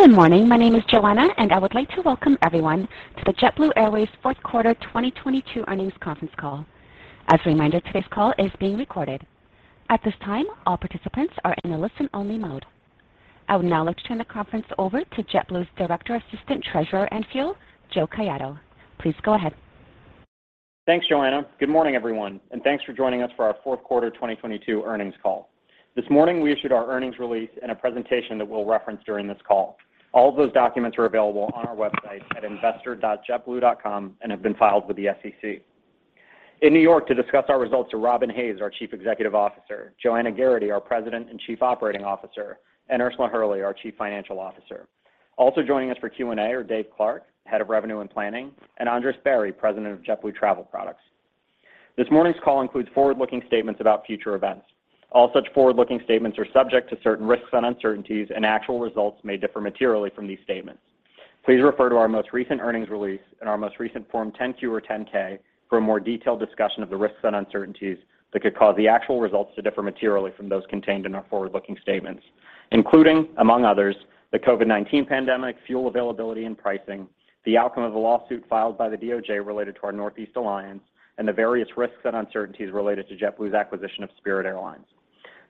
Good morning. My name is Joanna, I would like to welcome everyone to the JetBlue Airways Q4 2022 Earnings Conference Call. As a reminder, today's call is being recorded. At this time, all participants are in a listen-only mode. I would now like to turn the conference over to JetBlue's Director, Assistant Treasurer and Fuel, Kosh Patel. Please go ahead. Thanks, Joanna. Good morning, everyone, thanks for joining us for our Q4 2022 earnings call. This morning, we issued our earnings release and a presentation that we'll reference during this call. All of those documents are available on our website at investor.jetblue.com and have been filed with the SEC. In New York to discuss our results are Robin Hayes, our Chief Executive Officer, Joanna Geraghty, our President and Chief Operating Officer, and Ursula Hurley, our Chief Financial Officer. Also joining us for Q&A are Dave Clark, Head of Revenue and Planning, and Andres Barry, President of JetBlue Travel Products. This morning's call includes forward-looking statements about future events. All such forward-looking statements are subject to certain risks and uncertainties, actual results may differ materially from these statements. Please refer to our most recent earnings release and our most recent Form 10-Q or 10-K for a more detailed discussion of the risks and uncertainties that could cause the actual results to differ materially from those contained in our forward-looking statements, including, among others, the COVID-19 pandemic, fuel availability and pricing, the outcome of a lawsuit filed by the DOJ related to our Northeast Alliance, and the various risks and uncertainties related to JetBlue's acquisition of Spirit Airlines.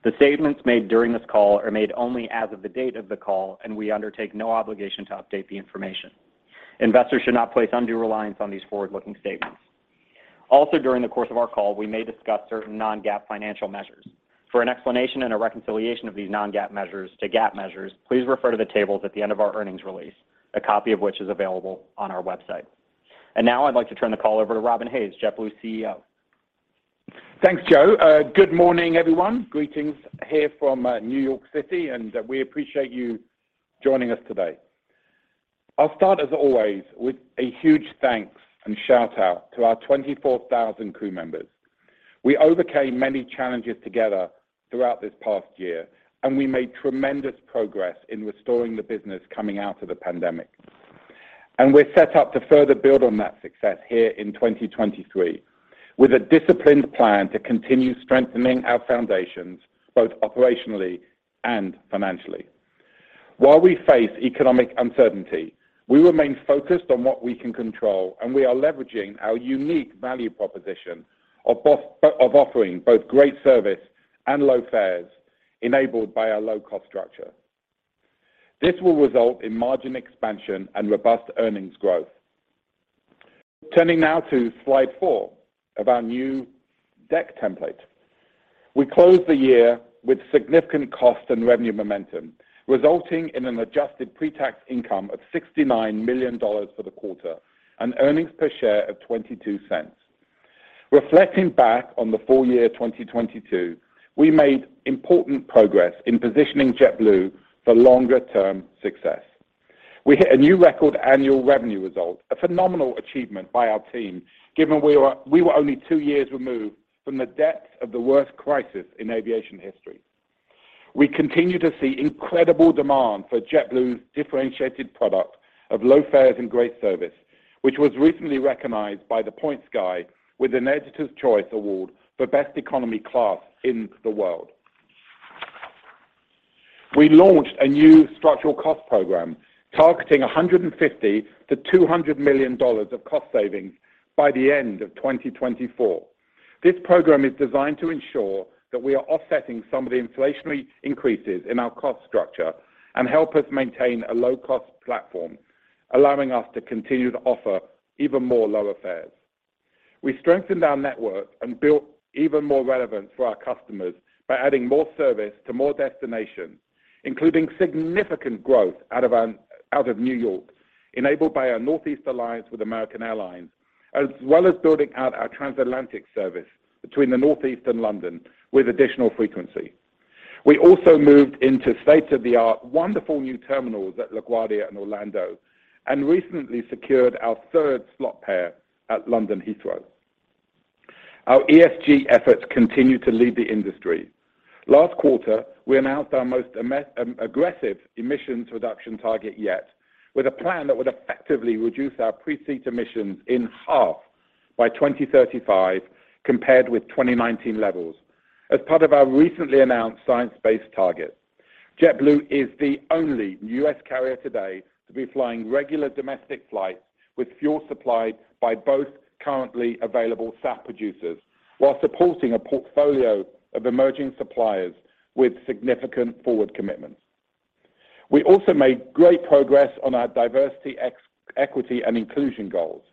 The statements made during this call are made only as of the date of the call. We undertake no obligation to update the information. Investors should not place undue reliance on these forward-looking statements. During the course of our call, we may discuss certain non-GAAP financial measures. For an explanation and a reconciliation of these non-GAAP measures to GAAP measures, please refer to the tables at the end of our earnings release, a copy of which is available on our website. Now I'd like to turn the call over to Robin Hayes, JetBlue's CEO. Thanks, Joe. Good morning, everyone. Greetings here from New York City. We appreciate you joining us today. I'll start, as always, with a huge thanks and shout-out to our 24,000 crew members. We overcame many challenges together throughout this past year. We made tremendous progress in restoring the business coming out of the pandemic. We're set up to further build on that success here in 2023, with a disciplined plan to continue strengthening our foundations both operationally and financially. While we face economic uncertainty, we remain focused on what we can control. We are leveraging our unique value proposition of offering both great service and low fares enabled by our low cost structure. This will result in margin expansion and robust earnings growth. Turning now to slide 4 of our new deck template. We closed the year with significant cost and revenue momentum, resulting in an adjusted pre-tax income of $69 million for the quarter and earnings per share of $0.22. Reflecting back on the full year 2022, we made important progress in positioning JetBlue for longer term success. We hit a new record annual revenue result, a phenomenal achievement by our team, given we were only two years removed from the depths of the worst crisis in aviation history. We continue to see incredible demand for JetBlue's differentiated product of low fares and great service, which was recently recognized by The Points Guy with an Editor's Choice Award for Best Economy Class in the World. We launched a new structural cost program targeting $150 million-$200 million of cost savings by the end of 2024. This program is designed to ensure that we are offsetting some of the inflationary increases in our cost structure and help us maintain a low cost platform, allowing us to continue to offer even more lower fares. We strengthened our network and built even more relevance for our customers by adding more service to more destinations, including significant growth out of New York, enabled by our Northeast Alliance with American Airlines, as well as building out our transatlantic service between the Northeast and London with additional frequency. We also moved into state-of-the-art, wonderful new terminals at LaGuardia and Orlando, and recently secured our third slot pair at London Heathrow. Our ESG efforts continue to lead the industry. Last quarter, we announced our most aggressive emissions reduction target yet, with a plan that would effectively reduce our pre-seat emissions in half by 2035 compared with 2019 levels as part of our recently announced science-based target. JetBlue is the only U.S. carrier today to be flying regular domestic flights with fuel supplied by both currently available SAF producers while supporting a portfolio of emerging suppliers with significant forward commitments. We also made great progress on our diversity equity and inclusion goals.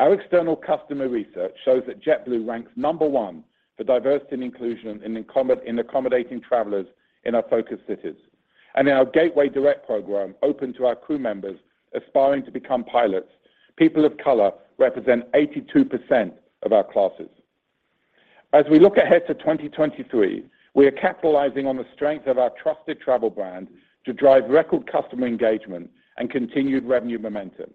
Our external customer research shows that JetBlue ranks number one for diversity and inclusion in accommodating travelers in our focus cities. In our Gateway Direct program, open to our crew members aspiring to become pilots, people of color represent 82% of our classes. As we look ahead to 2023, we are capitalizing on the strength of our trusted travel brand to drive record customer engagement and continued revenue momentum.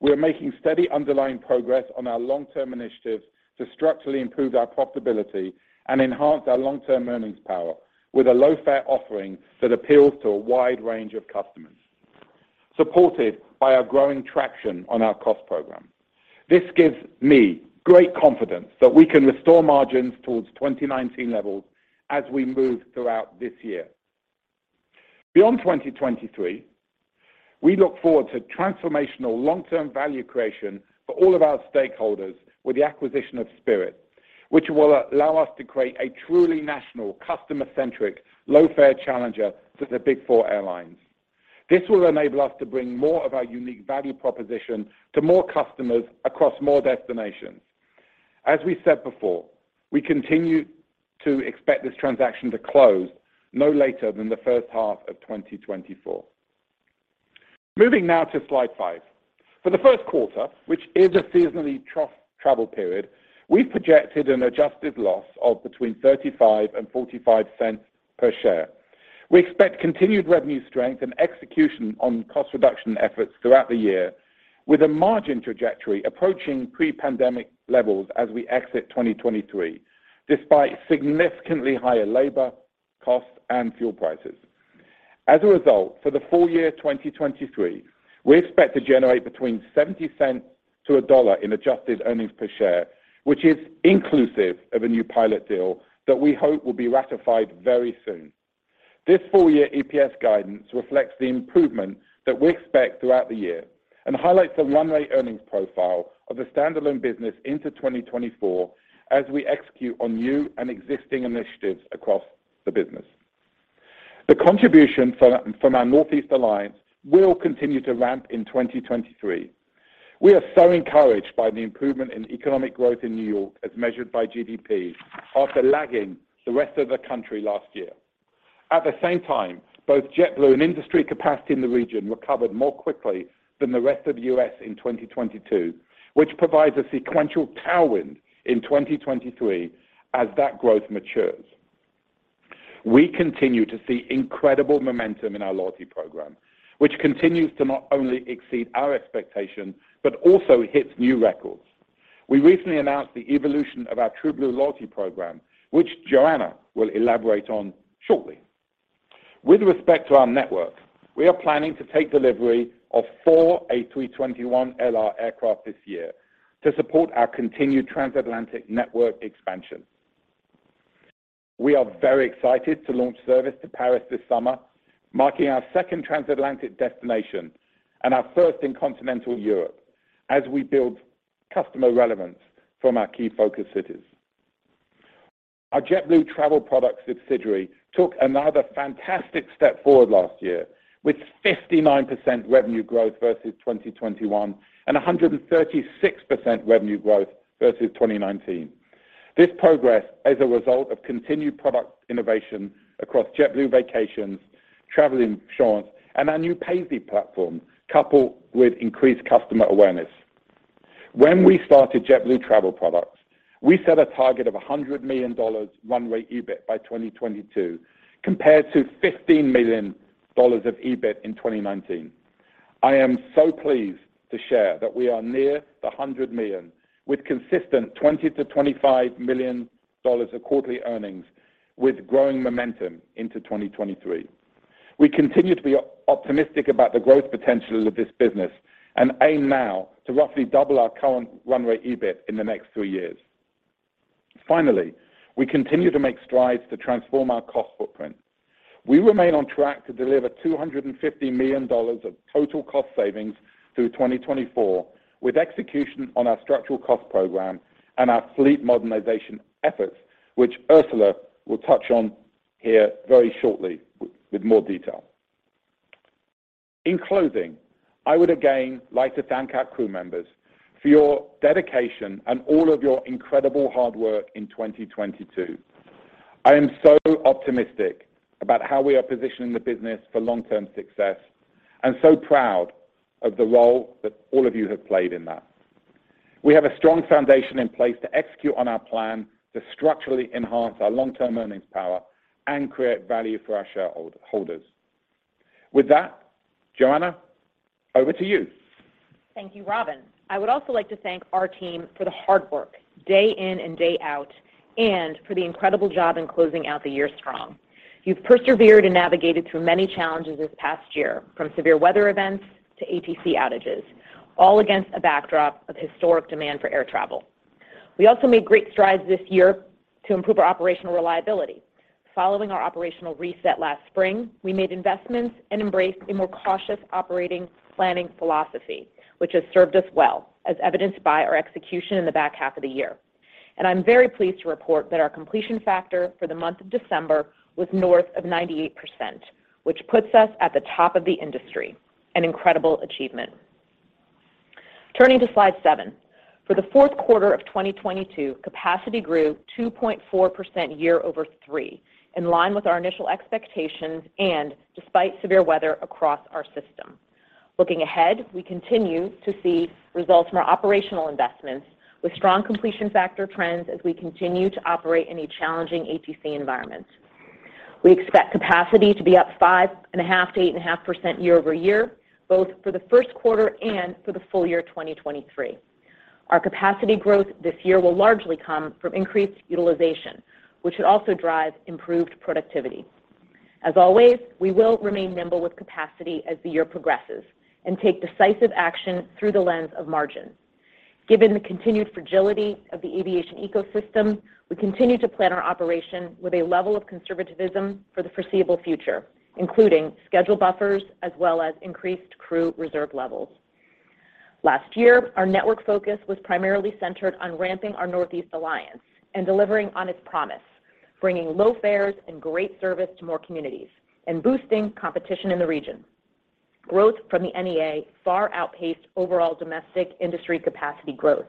We are making steady underlying progress on our long-term initiatives to structurally improve our profitability and enhance our long-term earnings power with a low fare offering that appeals to a wide range of customers, supported by our growing traction on our cost program. This gives me great confidence that we can restore margins towards 2019 levels as we move throughout this year. Beyond 2023, we look forward to transformational long-term value creation for all of our stakeholders with the acquisition of Spirit, which will allow us to create a truly national, customer-centric, low-fare challenger to the big four airlines. This will enable us to bring more of our unique value proposition to more customers across more destinations. As we said before, we continue to expect this transaction to close no later than the first half of 2024. Moving now to slide 5. For the 1st quarter, which is a seasonally trough travel period, we've projected an adjusted loss of between $0.35 and $0.45 per share. We expect continued revenue strength and execution on cost reduction efforts throughout the year, with a margin trajectory approaching pre-pandemic levels as we exit 2023, despite significantly higher labor costs and fuel prices. As a result, for the full year 2023, we expect to generate between $0.70 to $1.00 in adjusted earnings per share, which is inclusive of a new pilot deal that we hope will be ratified very soon. This full-year EPS guidance reflects the improvement that we expect throughout the year and highlights the run rate earnings profile of the standalone business into 2024 as we execute on new and existing initiatives across the business. The contribution from our Northeast Alliance will continue to ramp in 2023. We are so encouraged by the improvement in economic growth in New York as measured by GDP after lagging the rest of the country last year. At the same time, both JetBlue and industry capacity in the region recovered more quickly than the rest of the U.S. in 2022, which provides a sequential tailwind in 2023 as that growth matures. We continue to see incredible momentum in our loyalty program, which continues to not only exceed our expectations, but also hits new records. We recently announced the evolution of our TrueBlue loyalty program, which Joanna will elaborate on shortly. With respect to our network, we are planning to take delivery of four A321LR aircraft this year to support our continued transatlantic network expansion. We are very excited to launch service to Paris this summer, marking our second transatlantic destination and our first in continental Europe as we build customer relevance from our key focus cities. Our JetBlue Travel Products subsidiary took another fantastic step forward last year, with 59% revenue growth versus 2021 and 136% revenue growth versus 2019. This progress is a result of continued product innovation across JetBlue Vacations, travel insurance, and our new Paisly platform, coupled with increased customer awareness. When we started JetBlue Travel Products, we set a target of a $100 million run rate EBIT by 2022 compared to $15 million of EBIT in 2019. I am so pleased to share that we are near the $100 million with consistent $20 to 25 million of quarterly earnings with growing momentum into 2023. We continue to be optimistic about the growth potential of this business and aim now to roughly double our current run rate EBIT in the next three years. Finally, we continue to make strides to transform our cost footprint. We remain on track to deliver $250 million of total cost savings through 2024, with execution on our structural cost program and our fleet modernization efforts, which Ursula will touch on here very shortly with more detail. In closing, I would again like to thank our crew members for your dedication and all of your incredible hard work in 2022. I am so optimistic about how we are positioning the business for long-term success and so proud of the role that all of you have played in that. We have a strong foundation in place to execute on our plan to structurally enhance our long-term earnings power and create value for our shareholder-holders. With that, Joanna, over to you. Thank you, Robin. I would also like to thank our team for the hard work day in and day out, and for the incredible job in closing out the year strong. You've persevered and navigated through many challenges this past year, from severe weather events to ATC outages, all against a backdrop of historic demand for air travel. We also made great strides this year to improve our operational reliability. Following our operational reset last spring, we made investments and embraced a more cautious operating planning philosophy, which has served us well, as evidenced by our execution in the back half of the year. I'm very pleased to report that our completion factor for the month of December was north of 98%, which puts us at the top of the industry, an incredible achievement. Turning to slide 7. For the Q4 of 2022, capacity grew 2.4% year over three, in line with our initial expectations and despite severe weather across our system. Looking ahead, we continue to see results from our operational investments with strong completion factor trends as we continue to operate in a challenging ATC environment. We expect capacity to be up 5.5% to 8.5% year-over-year, both for the Q1 and for the full year 2023. Our capacity growth this year will largely come from increased utilization, which should also drive improved productivity. As always, we will remain nimble with capacity as the year progresses and take decisive action through the lens of margin. Given the continued fragility of the aviation ecosystem, we continue to plan our operation with a level of conservativism for the foreseeable future, including schedule buffers as well as increased crew reserve levels. Last year, our network focus was primarily centered on ramping our Northeast Alliance and delivering on its promise, bringing low fares and great service to more communities and boosting competition in the region. Growth from the NEA far outpaced overall domestic industry capacity growth,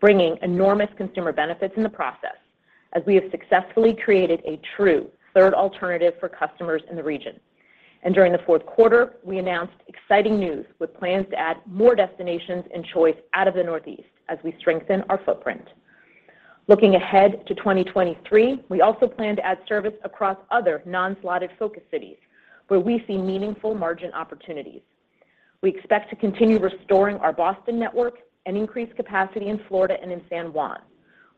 bringing enormous consumer benefits in the process as we have successfully created a true third alternative for customers in the region. During the Q4, we announced exciting news with plans to add more destinations and choice out of the Northeast as we strengthen our footprint. Looking ahead to 2023, we also plan to add service across other non-slotted focus cities where we see meaningful margin opportunities. We expect to continue restoring our Boston network and increase capacity in Florida and in San Juan.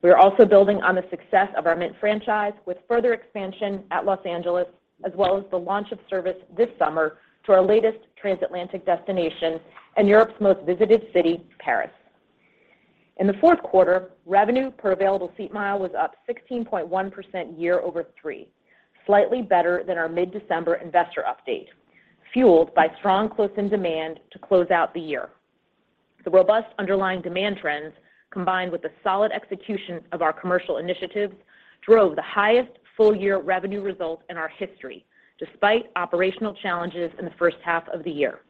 We are also building on the success of our Mint franchise with further expansion at Los Angeles as well as the launch of service this summer to our latest transatlantic destination and Europe's most visited city, Paris. In the Q4, revenue per available seat mile was up 16.1% year over three, slightly better than our mid-December investor update, fueled by strong close-in demand to close out the year. The robust underlying demand trends combined with the solid execution of our commercial initiatives drove the highest full-year revenue result in our history despite operational challenges in the first half of the year.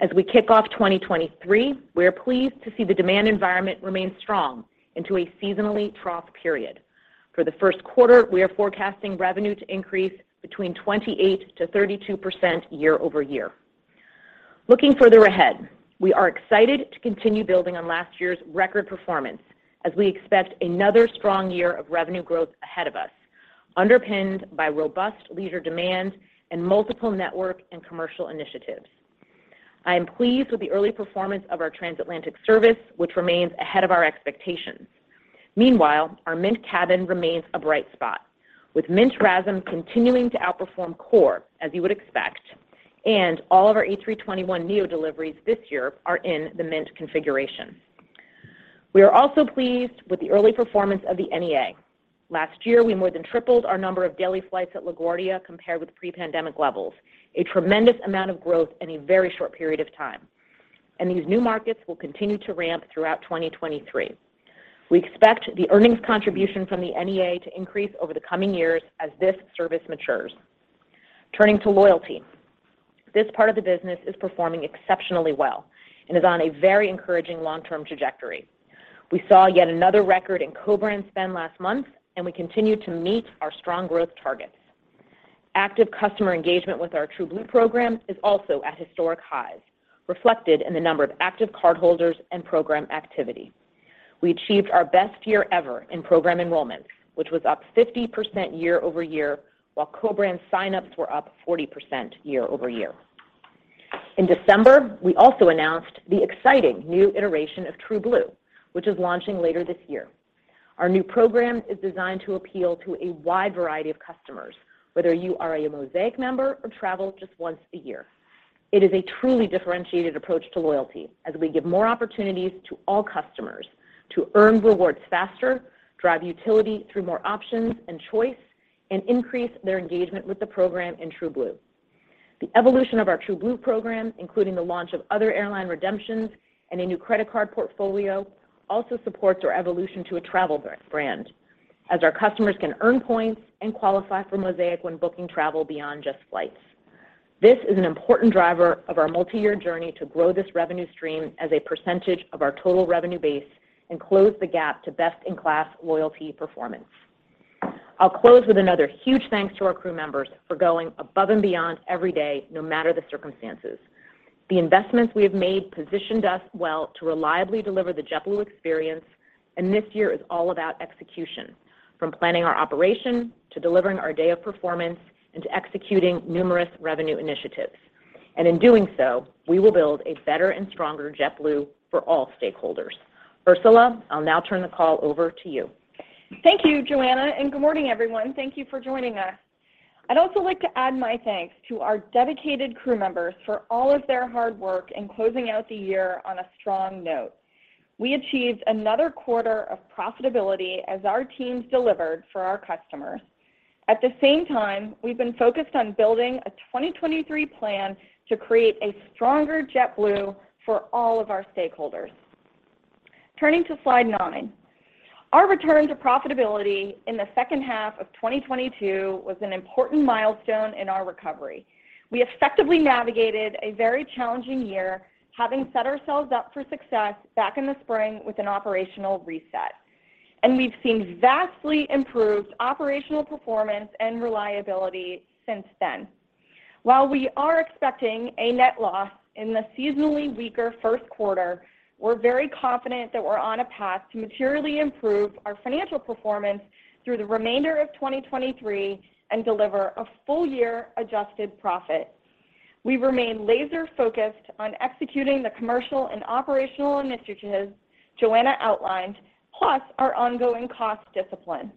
As we kick off 2023, we are pleased to see the demand environment remain strong into a seasonally trough period. For the Q1, we are forecasting revenue to increase between 28%-32% year-over-year. Looking further ahead, we are excited to continue building on last year's record performance as we expect another strong year of revenue growth ahead of us, underpinned by robust leisure demand and multiple network and commercial initiatives. I am pleased with the early performance of our transatlantic service, which remains ahead of our expectations. Meanwhile, our Mint cabin remains a bright spot, with Mint RASM continuing to outperform core, as you would expect, and all of our A321neo deliveries this year are in the Mint configuration. We are also pleased with the early performance of the NEA. Last year, we more than tripled our number of daily flights at LaGuardia compared with pre-pandemic levels, a tremendous amount of growth in a very short period of time. These new markets will continue to ramp throughout 2023. We expect the earnings contribution from the NEA to increase over the coming years as this service matures. Turning to loyalty, this part of the business is performing exceptionally well and is on a very encouraging long-term trajectory. We saw yet another record in co-brand spend last month. We continue to meet our strong growth targets. Active customer engagement with our TrueBlue program is also at historic highs, reflected in the number of active cardholders and program activity. We achieved our best year ever in program enrollments, which was up 50% year-over-year, while co-brand signups were up 40% year-over-year. In December, we also announced the exciting new iteration of TrueBlue, which is launching later this year. Our new program is designed to appeal to a wide variety of customers, whether you are a Mosaic member or travel just once a year. It is a truly differentiated approach to loyalty as we give more opportunities to all customers to earn rewards faster, drive utility through more options and choice, and increase their engagement with the program in TrueBlue. The evolution of our TrueBlue program, including the launch of other airline redemptions and a new credit card portfolio, also supports our evolution to a travel brand as our customers can earn points and qualify for Mosaic when booking travel beyond just flights. This is an important driver of our multi-year journey to grow this revenue stream as a percentage of our total revenue base and close the gap to best-in-class loyalty performance. I'll close with another huge thanks to our crew members for going above and beyond every day, no matter the circumstances. The investments we have made positioned us well to reliably deliver the JetBlue experience. This year is all about execution, from planning our operation to delivering our day-of performance and to executing numerous revenue initiatives. In doing so, we will build a better and stronger JetBlue for all stakeholders. Ursula, I'll now turn the call over to you. Thank you, Joanna. Good morning, everyone. Thank you for joining us. I'd also like to add my thanks to our dedicated crew members for all of their hard work in closing out the year on a strong note. We achieved another quarter of profitability as our teams delivered for our customers. At the same time, we've been focused on building a 2023 plan to create a stronger JetBlue for all of our stakeholders. Turning to slide 9, our return to profitability in the second half of 2022 was an important milestone in our recovery. We effectively navigated a very challenging year, having set ourselves up for success back in the spring with an operational reset, and we've seen vastly improved operational performance and reliability since then. While we are expecting a net loss in the seasonally weaker Q1, we're very confident that we're on a path to materially improve our financial performance through the remainder of 2023 and deliver a full-year adjusted profit. We remain laser focused on executing the commercial and operational initiatives Joanna outlined, plus our ongoing cost discipline.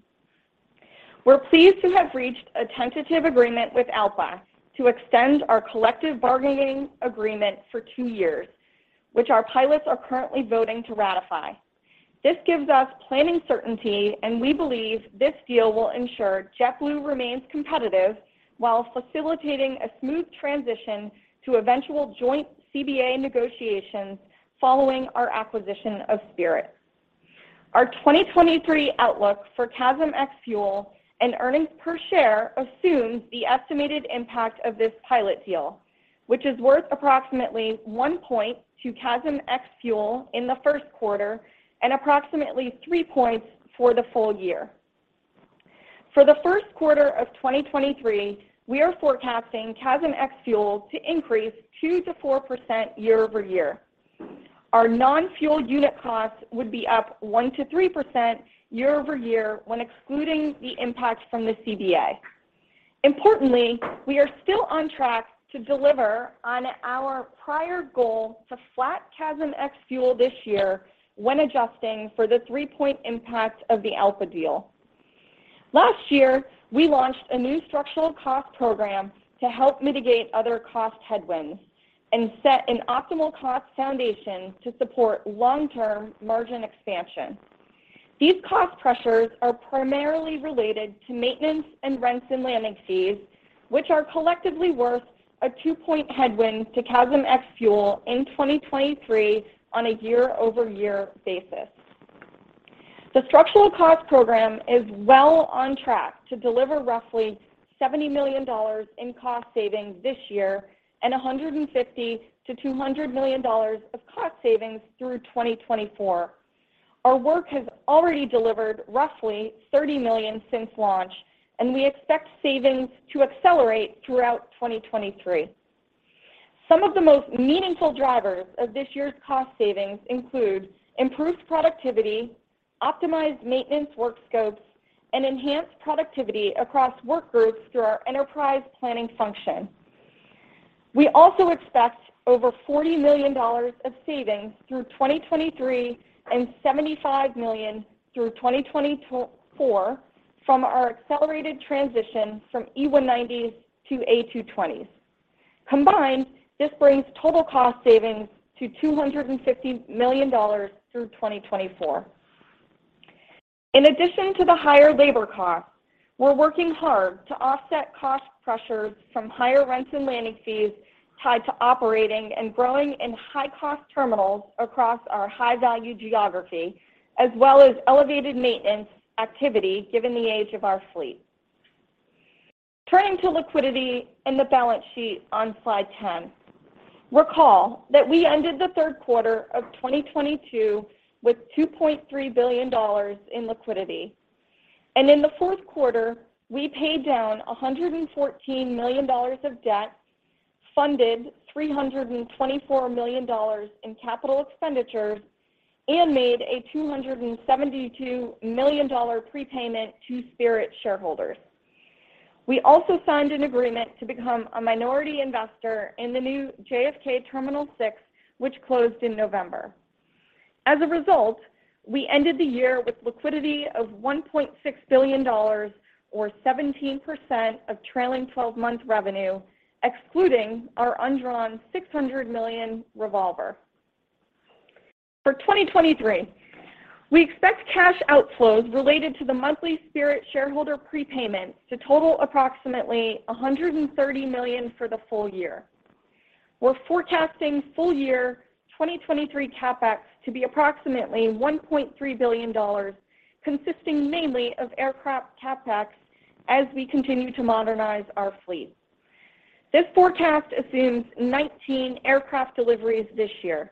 We're pleased to have reached a tentative agreement with ALPA to extend our collective bargaining agreement for 2 years, which our pilots are currently voting to ratify. This gives us planning certainty, and we believe this deal will ensure JetBlue remains competitive while facilitating a smooth transition to eventual joint CBA negotiations following our acquisition of Spirit. Our 2023 outlook for CASM ex-fuel and earnings per share assumes the estimated impact of this pilot deal, which is worth approximately 1 point to CASM ex-fuel in the Q1 and approximately 3 points for the full year. For the Q1 of 2023, we are forecasting CASM ex-fuel to increase 2%-4% year-over-year. Our non-fuel unit costs would be up 1% to 3% year-over-year when excluding the impact from the CBA. Importantly, we are still on track to deliver on our prior goal for flat CASM ex-fuel this year when adjusting for the 3-point impact of the ALPA deal. Last year, we launched a new structural cost program to help mitigate other cost headwinds and set an optimal cost foundation to support long-term margin expansion. These cost pressures are primarily related to maintenance and rents and landing fees, which are collectively worth a 2-point headwind to CASM ex-fuel in 2023 on a year-over-year basis. The structural cost program is well on track to deliver roughly $70 million in cost savings this year and $150 million-$200 million of cost savings through 2024. Our work has already delivered roughly $30 million since launch, and we expect savings to accelerate throughout 2023. Some of the most meaningful drivers of this year's cost savings include improved productivity, optimized maintenance work scopes, and enhanced productivity across workgroups through our enterprise planning function. We also expect over $40 million of savings through 2023 and $75 million through 2024 from our accelerated transition from E190s to A220s. Combined, this brings total cost savings to $250 million through 2024. In addition to the higher labor costs, we're working hard to offset cost pressures from higher rents and landing fees tied to operating and growing in high-cost terminals across our high-value geography as well as elevated maintenance activity, given the age of our fleet. Turning to liquidity and the balance sheet on slide 10. Recall that we ended the Q3 of 2022 with $2.3 billion in liquidity, and in the Q4, we paid down $114 million of debt, funded $324 million in capital expenditures, and made a $272 million prepayment to Spirit shareholders. We also signed an agreement to become a minority investor in the new JFK Terminal 6, which closed in November. As a result, we ended the year with liquidity of $1.6 billion or 17% of trailing twelve-month revenue, excluding our undrawn $600 million revolver. For 2023, we expect cash outflows related to the monthly Spirit shareholder prepayments to total approximately $130 million for the full year. We're forecasting full year 2023 CapEx to be approximately $1.3 billion, consisting mainly of aircraft CapEx as we continue to modernize our fleet. This forecast assumes 19 aircraft deliveries this year.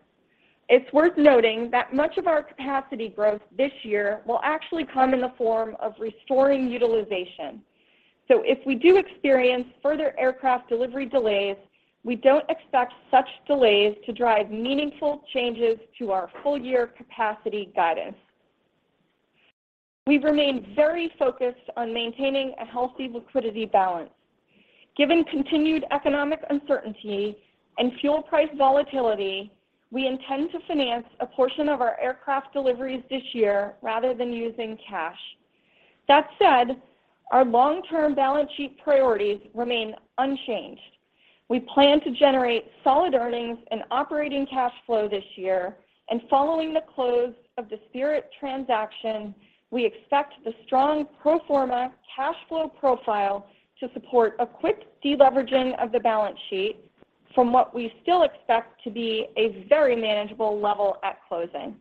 If we do experience further aircraft delivery delays, we don't expect such delays to drive meaningful changes to our full year capacity guidance. We've remained very focused on maintaining a healthy liquidity balance. Given continued economic uncertainty and fuel price volatility, we intend to finance a portion of our aircraft deliveries this year rather than using cash. That said, our long-term balance sheet priorities remain unchanged. We plan to generate solid earnings and operating cash flow this year, and following the close of the Spirit transaction, we expect the strong pro forma cash flow profile to support a quick deleveraging of the balance sheet from what we still expect to be a very manageable level at closing.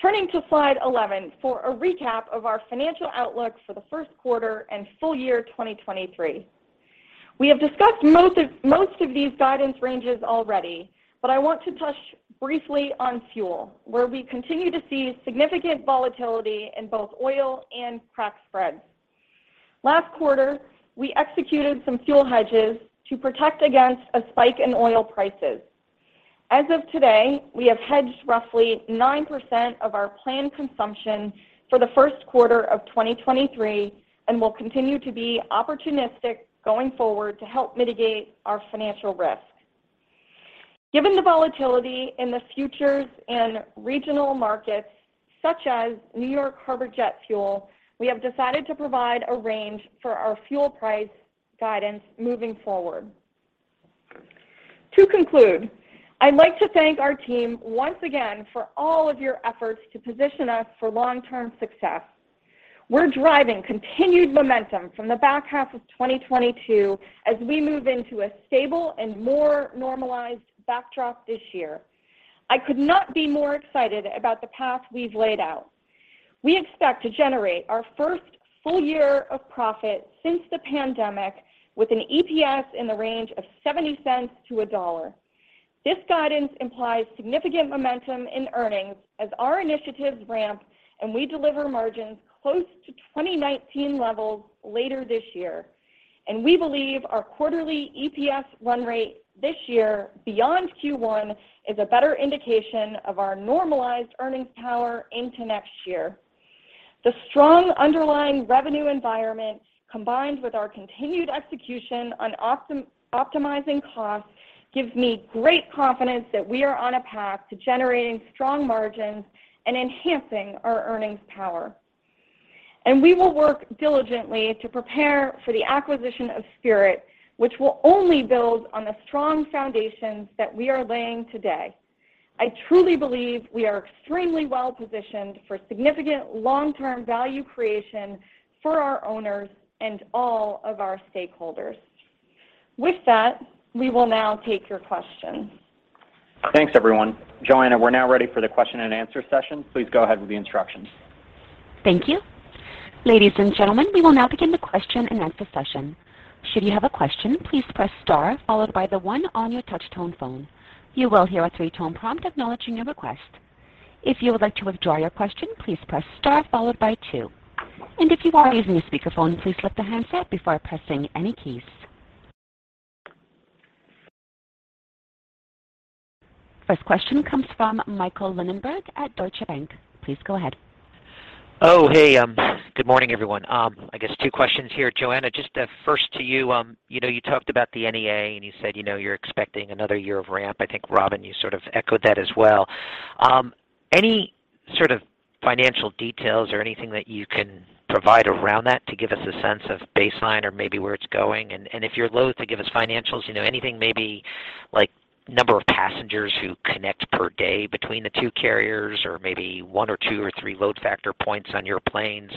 Turning to slide 11 for a recap of our financial outlook for the Q1 and full year 2023. We have discussed most of these guidance ranges already. I want to touch briefly on fuel, where we continue to see significant volatility in both oil and crack spreads. Last quarter, we executed some fuel hedges to protect against a spike in oil prices. As of today, we have hedged roughly 9% of our planned consumption for the 1st quarter of 2023 and will continue to be opportunistic going forward to help mitigate our financial risk. Given the volatility in the futures and regional markets such as New York Harbor jet fuel, we have decided to provide a range for our fuel price guidance moving forward. To conclude, I'd like to thank our team once again for all of your efforts to position us for long-term success. We're driving continued momentum from the back half of 2022 as we move into a stable and more normalized backdrop this year. I could not be more excited about the path we've laid out. We expect to generate our first full year of profit since the pandemic with an EPS in the range of $0.70 to $1.00. This guidance implies significant momentum in earnings as our initiatives ramp and we deliver margins close to 2019 levels later this year. We believe our quarterly EPS run rate this year beyond Q1 is a better indication of our normalized earnings power into next year. The strong underlying revenue environment, combined with our continued execution on optimizing costs, gives me great confidence that we are on a path to generating strong margins and enhancing our earnings power. We will work diligently to prepare for the acquisition of Spirit, which will only build on the strong foundations that we are laying today. I truly believe we are extremely well-positioned for significant long-term value creation for our owners and all of our stakeholders. With that, we will now take your questions. Thanks, everyone. Joanna, we're now ready for the question and answer session. Please go ahead with the instructions. Thank you. Ladies and gentlemen, we will now begin the question-and-answer session. Should you have a question, please press star followed by one on your touch tone phone. You will hear a 3-tone prompt acknowledging your request. If you would like to withdraw your question, please press star followed by two. If you are using a speakerphone, please lift the handset before pressing any keys. First question comes from Michael Linenberg at Deutsche Bank. Please go ahead. Hey. Good morning, everyone. I guess two questions here. Joanna, just first to you. you talked about the NEA and you said you're expecting another year of ramp. I think, Robin, you sort of echoed that as well. Any sort of financial details or anything that you can provide around that to give us a sense of baseline or maybe where it's going? If you're loath to give us financials anything maybe like number of passengers who connect per day between the two carriers or maybe one or two or three load factor points on your planes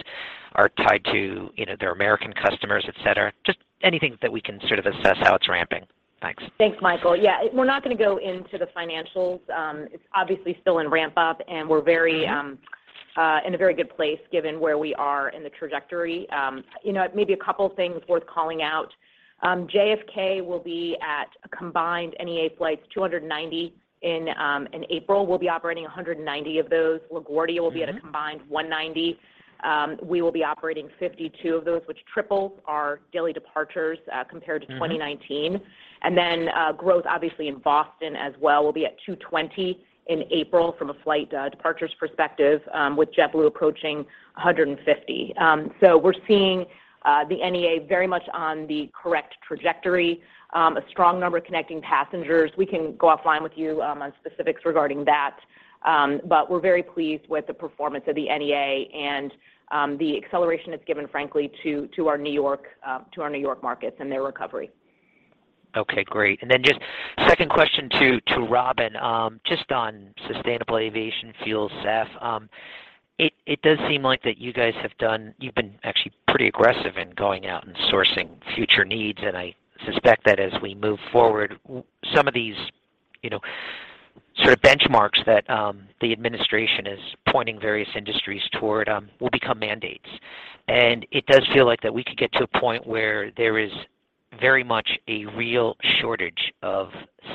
are tied to their American customers, et cetera. Just anything that we can sort of assess how it's ramping. Thanks. Thanks, Michael. Yeah, we're not going to go into the financials. It's obviously still in ramp up, and we're very in a very good place given where we are in the trajectory. maybe a couple of things worth calling out. JFK will be at a combined NEA flights 290 in April. We'll be operating 190 of those. LaGuardia will be at a combined 190. We will be operating 52 of those, which triples our daily departures compared to 2019. Growth obviously in Boston as well will be at 220 in April from a flight departures perspective, with JetBlue approaching 150. We're seeing the NEA very much on the correct trajectory, a strong number of connecting passengers. We can go offline with you, on specifics regarding that. We're very pleased with the performance of the NEA and, the acceleration it's given, frankly, to our New York, to our New York markets and their recovery. Okay, great. Then just second question to Robin, just on sustainable aviation fuel, SAF. It does seem like that you guys have been actually pretty aggressive in going out and sourcing future needs, and I suspect that as we move forward, some of these sort of benchmarks that the administration is pointing various industries toward, will become mandates. It does feel like that we could get to a point where there is very much a real shortage of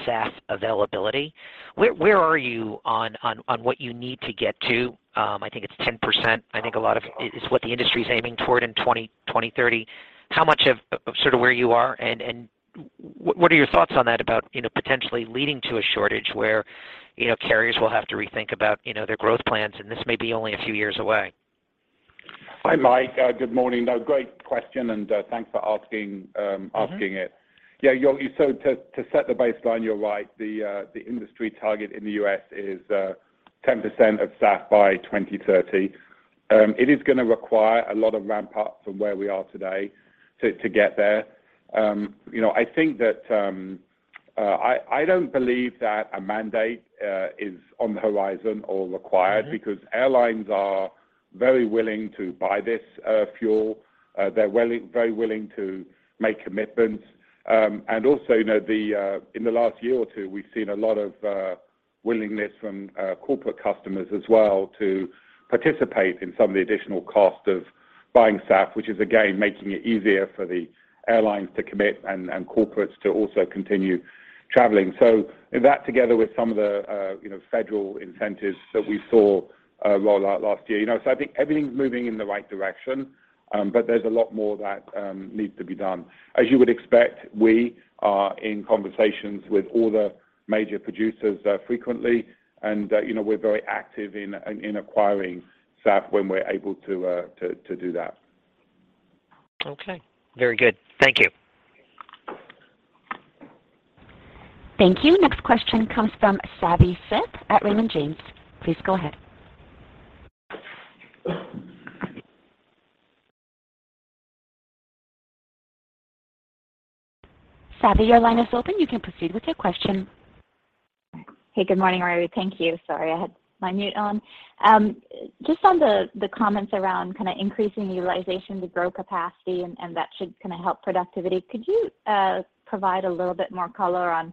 SAF availability. Where are you on what you need to get to? I think it's 10%, I think a lot of it is what the industry is aiming toward in 2030. How much of sort of where you are and what are your thoughts on that about potentially leading to a shortage where carriers will have to rethink about their growth plans, and this may be only a few years away? Hi, Mike. Good morning. Great question, thanks for asking it. Yeah, to set the baseline, you're right. The industry target in the U.S. is 10% of SAF by 2030. It is going to require a lot of ramp up from where we are today to get there. I think that I don't believe that a mandate is on the horizon or required because airlines are very willing to buy this fuel. They're very willing to make commitments. also in the last year or two, we've seen a lot of willingness from corporate customers as well to participate in some of the additional cost of Buying SAF, which is again, making it easier for the airlines to commit and corporates to also continue traveling. That together with some of the federal incentives that we saw roll out last year. I think everything's moving in the right direction, but there's a lot more that needs to be done. As you would expect, we are in conversations with all the major producers, frequently, and we're very active in acquiring SAF when we're able to do that. Okay. Very good. Thank you. Thank you. Next question comes from Savanthi Syth at Raymond James. Please go ahead. Savi, your line is open. You can proceed with your question. Hey, good morning, everybody. Thank you. Sorry, I had my mute on. just on the comments around kind of increasing utilization to grow capacity and that should kind of help productivity, could you provide a little bit more color on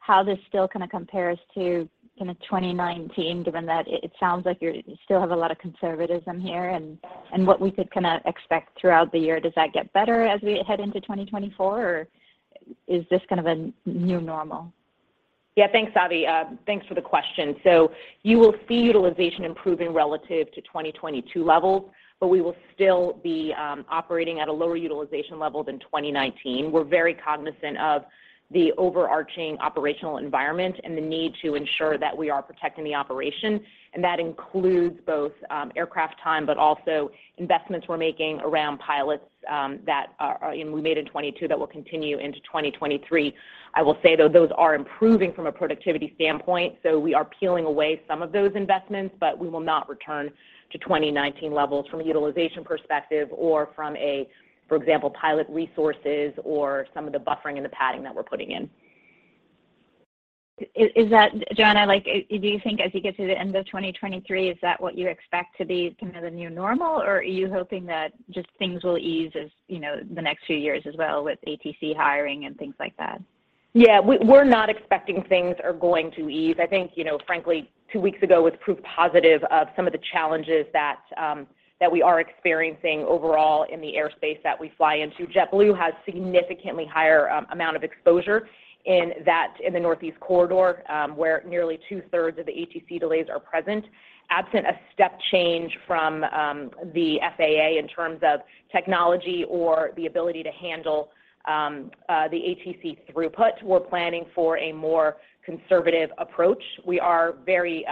how this still kind of compares to kind of 2019, given that it sounds like you still have a lot of conservatism here and what we could kind of expect throughout the year? Does that get better as we head into 2024, or is this kind of a new normal? Yeah. Thanks, Savi. Thanks for the question. You will see utilization improving relative to 2022 levels, but we will still be operating at a lower utilization level than 2019. We're very cognizant of the overarching operational environment and the need to ensure that we are protecting the operation, and that includes both aircraft time, but also investments we're making around pilots that we made in 2022 that will continue into 2023. I will say, though, those are improving from a productivity standpoint, so we are peeling away some of those investments, but we will not return to 2019 levels from a utilization perspective or from a, for example, pilot resources or some of the buffering and the padding that we're putting in. Is that Joanna, like, do you think as you get to the end of 2023, is that what you expect to be kind of the new normal? Or are you hoping that just things will ease as the next few years as well with ATC hiring and things like that? Yeah. We're not expecting things are going to ease. I think frankly, two weeks ago was proof positive of some of the challenges that we are experiencing overall in the airspace that we fly into. JetBlue has significantly higher amount of exposure in the Northeast Corridor, where nearly two-thirds of the ATC delays are present. Absent a step change from the FAA in terms of technology or the ability to handle the ATC throughput, we're planning for a more conservative approach. We are very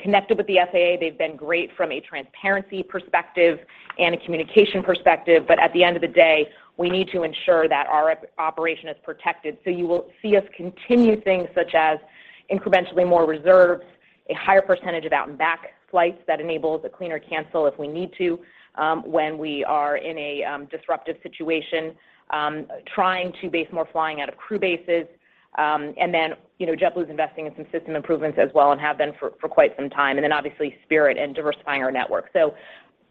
connected with the FAA. They've been great from a transparency perspective and a communication perspective. At the end of the day, we need to ensure that our operation is protected. You will see us continue things such as incrementally more reserves, a higher percentage of out and back flights that enables a cleaner cancel if we need to, when we are in a disruptive situation, trying to base more flying out of crew bases. And then JetBlue is investing in some system improvements as well and have been for quite some time, and then obviously Spirit and diversifying our network.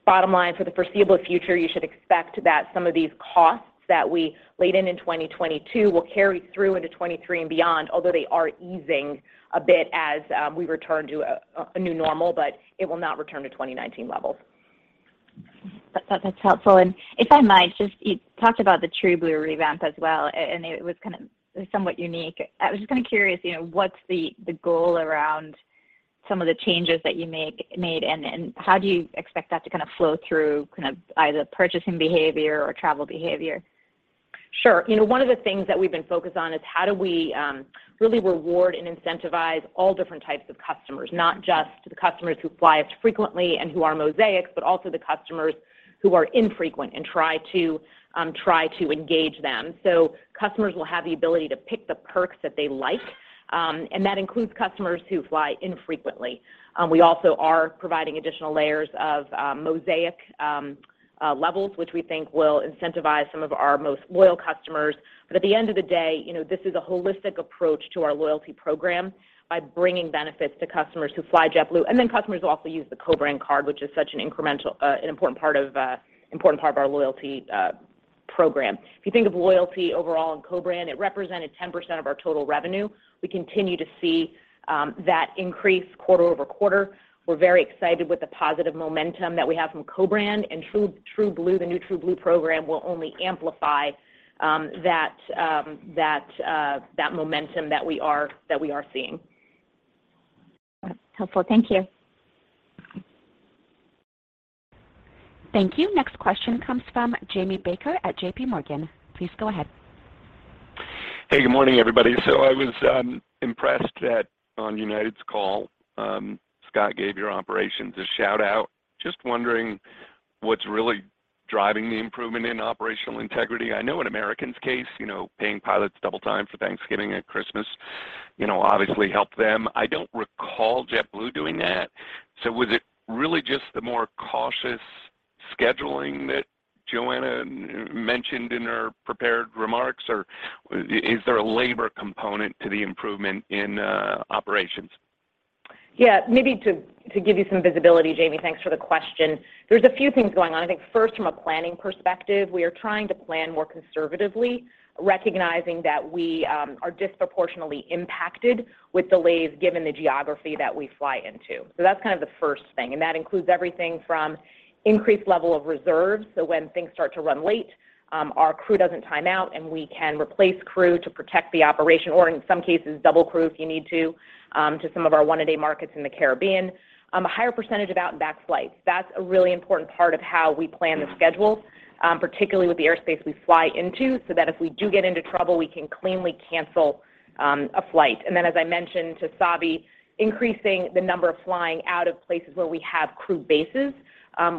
Bottom line, for the foreseeable future, you should expect that some of these costs that we laid in in 2022 will carry through into 2023 and beyond, although they are easing a bit as we return to a new normal, but it will not return to 2019 levels. That's helpful. If I might, just you talked about the TrueBlue revamp as well, and it was kind of somewhat unique. I was just kind of curious what's the goal around some of the changes that you made, and how do you expect that to kind of flow through kind of either purchasing behavior or travel behavior? Sure. one of the things that we've been focused on is how do we really reward and incentivize all different types of customers, not just the customers who fly us frequently and who are Mosaic, but also the customers who are infrequent and try to engage them. Customers will have the ability to pick the perks that they like, and that includes customers who fly infrequently. We also are providing additional layers of Mosaic levels, which we think will incentivize some of our most loyal customers. At the end of the day this is a holistic approach to our loyalty program by bringing benefits to customers who fly JetBlue. Customers will also use the co-brand card, which is such an important part of our loyalty program. If you think of loyalty overall in co-brand, it represented 10% of our total revenue. We continue to see that increase quarter-over-quarter. We're very excited with the positive momentum that we have from co-brand, and TrueBlue, the new TrueBlue program will only amplify that momentum that we are seeing. Helpful. Thank you. Thank you. Next question comes from Jamie Baker at J.P. Morgan. Please go ahead. Good morning, everybody. I was impressed that on United's call, Scott gave your operations a shout-out. Just wondering what's really driving the improvement in operational integrity. I know in American's case paying pilots double time for Thanksgiving and christmas obviously helped them. I don't recall JetBlue doing that. Was it really just the more cautious scheduling that Joanna mentioned in her prepared remarks, or is there a labor component to the improvement in operations? Yeah, maybe to give you some visibility, Jamie, thanks for the question. There's a few things going on. I think first from a planning perspective, we are trying to plan more conservatively, recognizing that we are disproportionately impacted with delays given the geography that we fly into. That's kind of the first thing, and that includes everything from increased level of reserves, so when things start to run late, our crew doesn't time out, and we can replace crew to protect the operation or in some cases, double crew if you need to some of our one-a-day markets in the Caribbean. A higher percentage of out and back flights. That's a really important part of how we plan the schedule, particularly with the airspace we fly into, so that if we do get into trouble, we can cleanly cancel a flight. As I mentioned to Savi, increasing the number of flying out of places where we have crew bases,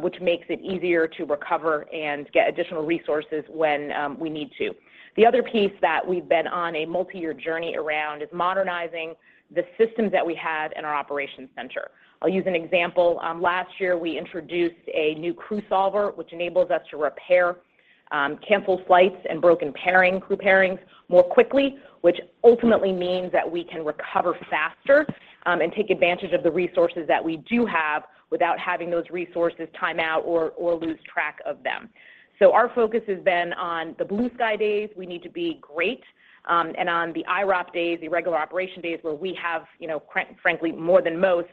which makes it easier to recover and get additional resources when we need to. The other piece that we've been on a multi-year journey around is modernizing the systems that we have in our operations center. I'll use an example. Last year we introduced a new crew solver which enables us to repair canceled flights and broken crew pairings more quickly, which ultimately means that we can recover faster and take advantage of the resources that we do have without having those resources time out or lose track of them. Our focus has been on the blue sky days, we need to be great, and on the IROP days, the irregular operation days, where we have, frankly, more than most,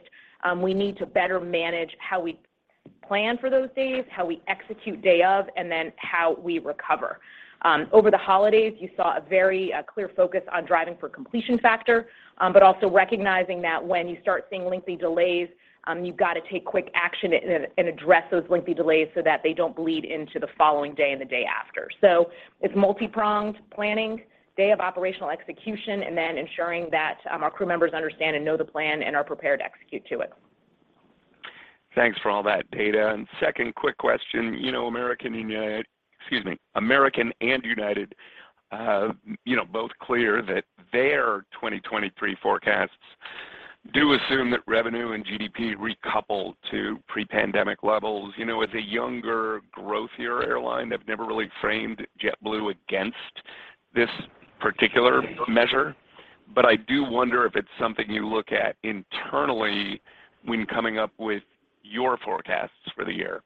we need to better manage how we plan for those days, how we execute day of, and then how we recover. Over the holidays, you saw a very clear focus on driving for completion factor, but also recognizing that when you start seeing lengthy delays, you've got to take quick action and address those lengthy delays so that they don't bleed into the following day and the day after. It's multi-pronged planning, day of operational execution, and then ensuring that our crew members understand and know the plan and are prepared to execute to it. Thanks for all that data. Second quick question. You know American and excuse me, American and united both clear that their 2023 forecasts do assume that revenue and GDP recouple to pre-pandemic levels. as a younger, growthier airline, I've never really framed JetBlue against this particular measure. I do wonder if it's something you look at internally when coming up with your forecasts for the year.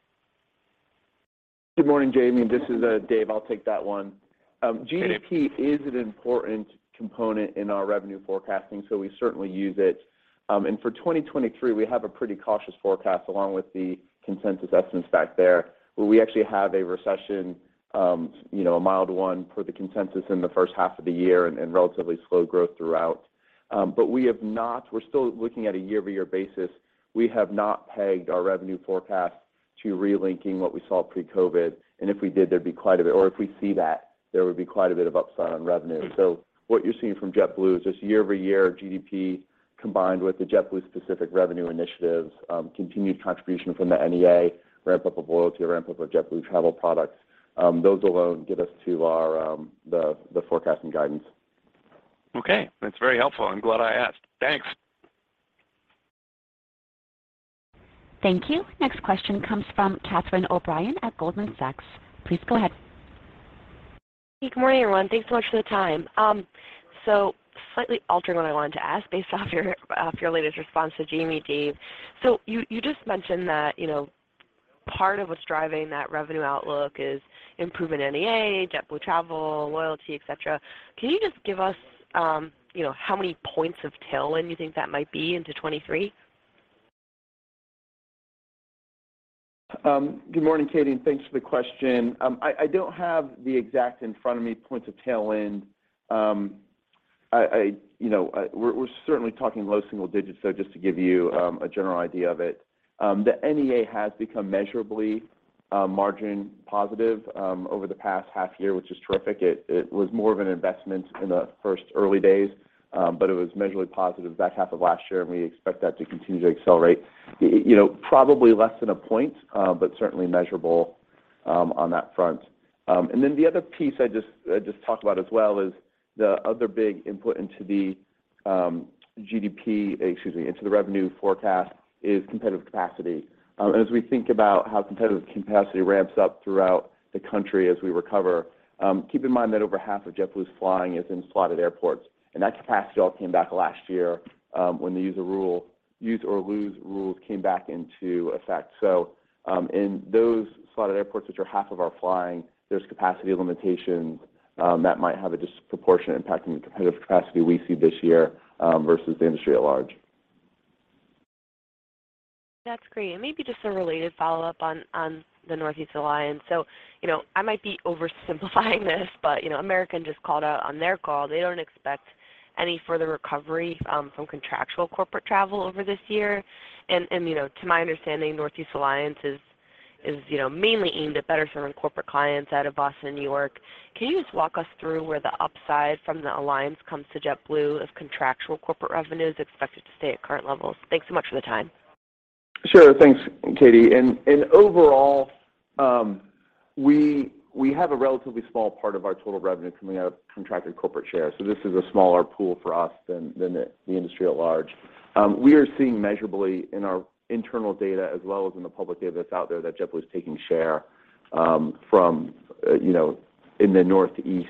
Good morning, Jamie. This is Dave, I'll take that one. Hey, Dave. GDP is an important component in our revenue forecasting. We certainly use it. For 2023, we have a pretty cautious forecast along with the consensus estimates back there, where we actually have a recession a mild one per the consensus in the first half of the year and relatively slow growth throughout. We're still looking at a year-over-year basis. We have not pegged our revenue forecast to relinking what we saw pre-COVID, and if we did, or if we see that, there would be quite a bit of upside on revenue. What you're seeing from JetBlue is just year-over-year GDP combined with the JetBlue specific revenue initiatives, continued contribution from the NEA, ramp-up of loyalty, ramp-up of JetBlue Travel Products. Those alone get us to our, the forecasting guidance. Okay. That's very helpful. I'm glad I asked. Thanks. Thank you. Next question comes from Catherine O'Brien at Goldman Sachs. Please go ahead. Good morning, everyone. Thanks so much for the time. Slightly altering what I wanted to ask based off your, off your latest response to Jamie, Dave. You just mentioned that part of what's driving that revenue outlook is improvement NEA, JetBlue Travel, loyalty, et cetera. Can you just give us how many points of tailwind you think that might be into 2023? Good morning, Katie, thanks for the question. I don't have the exact in front of me points of tailwind. i we're certainly talking low single digits, so just to give you a general idea of it. The NEA has become measurably margin positive over the past half year, which is terrific. It was more of an investment in the first early days, but it was measurably positive the back half of last year, and we expect that to continue to accelerate. probably less than a point, but certainly measurable on that front. Then the other piece I just talked about as well is the other big input into the GDP, excuse me, into the revenue forecast is competitive capacity. As we think about how competitive capacity ramps up throughout the country as we recover, keep in mind that over half of JetBlue's flying is in slotted airports, and that capacity all came back last year, when the use or lose rules came back into effect. In those slotted airports, which are half of our flying, there's capacity limitations, that might have a disproportionate impact on the competitive capacity we see this year, versus the industry at large. That's great. Maybe just a related follow-up on the Northeast Alliance. I might be oversimplifying this, but American just called out on their call. They don't expect any further recovery from contractual corporate travel over this year. to my understanding, Northeast Alliance is mainly aimed at better serving corporate clients out of Boston and New York. Can you just walk us through where the upside from the alliance comes to JetBlue if contractual corporate revenue is expected to stay at current levels? Thanks so much for the time. Sure. Thanks, Katie. Overall, we have a relatively small part of our total revenue coming out of contracted corporate shares. This is a smaller pool for us than the industry at large. We are seeing measurably in our internal data as well as in the public data that's out there that JetBlue is taking share. from in the Northeast,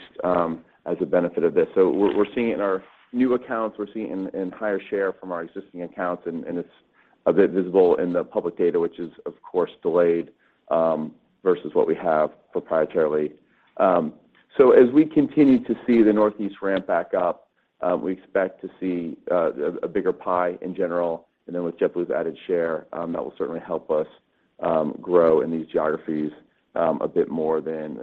as a benefit of this. We're seeing it in our new accounts, we're seeing it in higher share from our existing accounts, and it's a bit visible in the public data, which is, of course, delayed, versus what we have proprietarily. As we continue to see the Northeast ramp back up, we expect to see a bigger pie in general. With JetBlue's added share, that will certainly help us grow in these geographies a bit more than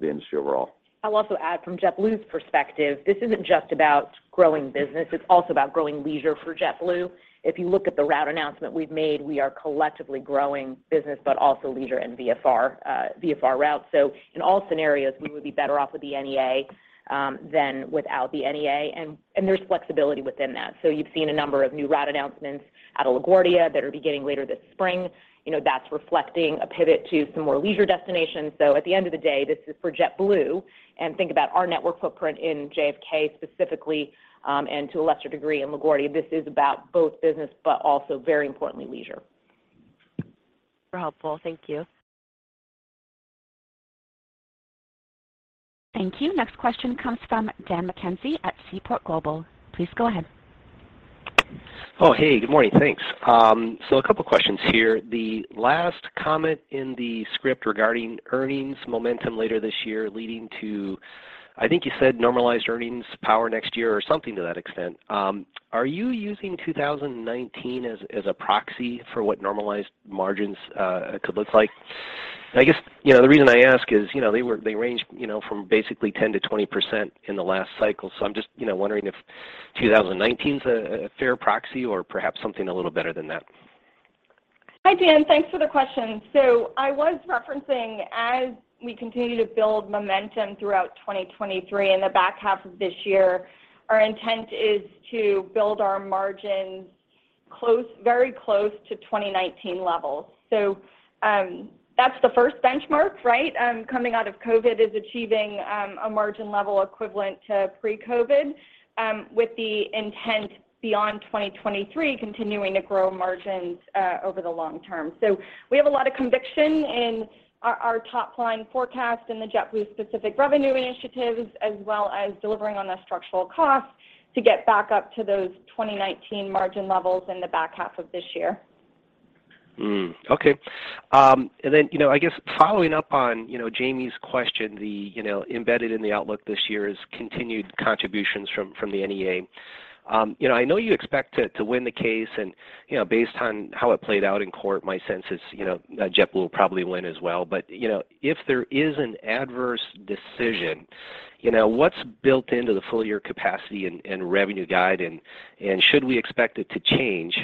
the industry overall. I'll also add from JetBlue's perspective, this isn't just about growing business, it's also about growing leisure for JetBlue. If you look at the route announcement we've made, we are collectively growing business, but also leisure and VFR routes. In all scenarios, we would be better off with the NEA than without the NEA, and there's flexibility within that. You've seen a number of new route announcements out of LaGuardia that are beginning later this spring. that's reflecting a pivot to some more leisure destinations. At the end of the day, this is for JetBlue, and think about our network footprint in JFK specifically, and to a lesser degree in LaGuardia. This is about both business, but also very importantly, leisure. Super helpful. Thank you. Thank you. Next question comes from Daniel McKenzie at Seaport Global. Please go ahead. Hey. Good morning. Thanks. A couple questions here. The last comment in the script regarding earnings momentum later this year leading to, I think you said normalized earnings power next year or something to that extent. Are you using 2019 as a proxy for what normalized margins could look like? I guess the reason I ask is they ranged from basically 10%-20% in the last cycle, I'm just wondering if 2019's a fair proxy or perhaps something a little better than that. Hi, Daniel. Thanks for the question. I was referencing as we continue to build momentum throughout 2023 in the back half of this year, our intent is to build our margins close, very close to 2019 levels. That's the first benchmark, right? Coming out of COVID is achieving a margin level equivalent to pre-COVID with the intent beyond 2023 continuing to grow margins over the long term. We have a lot of conviction in our top-line forecast and the JetBlue specific revenue initiatives as well as delivering on the structural costs to get back up to those 2019 margin levels in the back half of this year. Okay. then I guess following up on Jamie's question, the embedded in the outlook this year is continued contributions from the NEA. I know you expect to win the case and based on how it played out in court, my sense is that JetBlue will probably win as well. If there is an adverse decision what's built into the full year capacity and revenue guide and should we expect it to change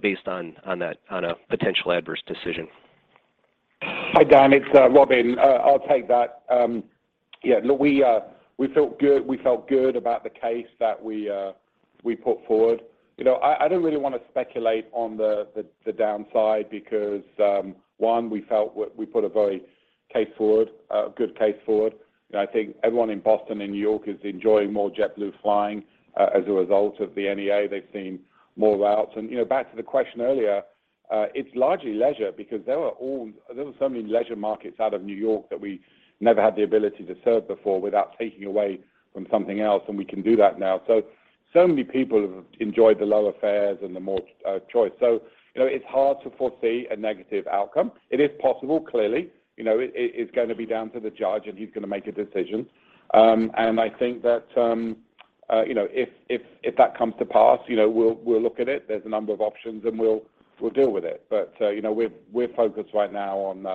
based on a potential adverse decision? Hi, Daniel. It's Robin. I'll take that. Yeah, look, we felt good about the case that we put forward. I don't really want to speculate on the downside because one, we felt we put a very case forward, a good case forward. I think everyone in Boston and New York is enjoying more JetBlue flying as a result of the NEA. They've seen more routes. back to the question earlier, it's largely leisure because there were so many leisure markets out of New York that we never had the ability to serve before without taking away from something else, and we can do that now. Many people have enjoyed the lower fares and the more choice. You know, it's hard to foresee a negative outcome. It is possible, clearly. it's going to be down to the judge, and he's going to make a decision. And I think that if that comes to pass we'll look at it. There's a number of options, and we'll deal with it. we're focused right now on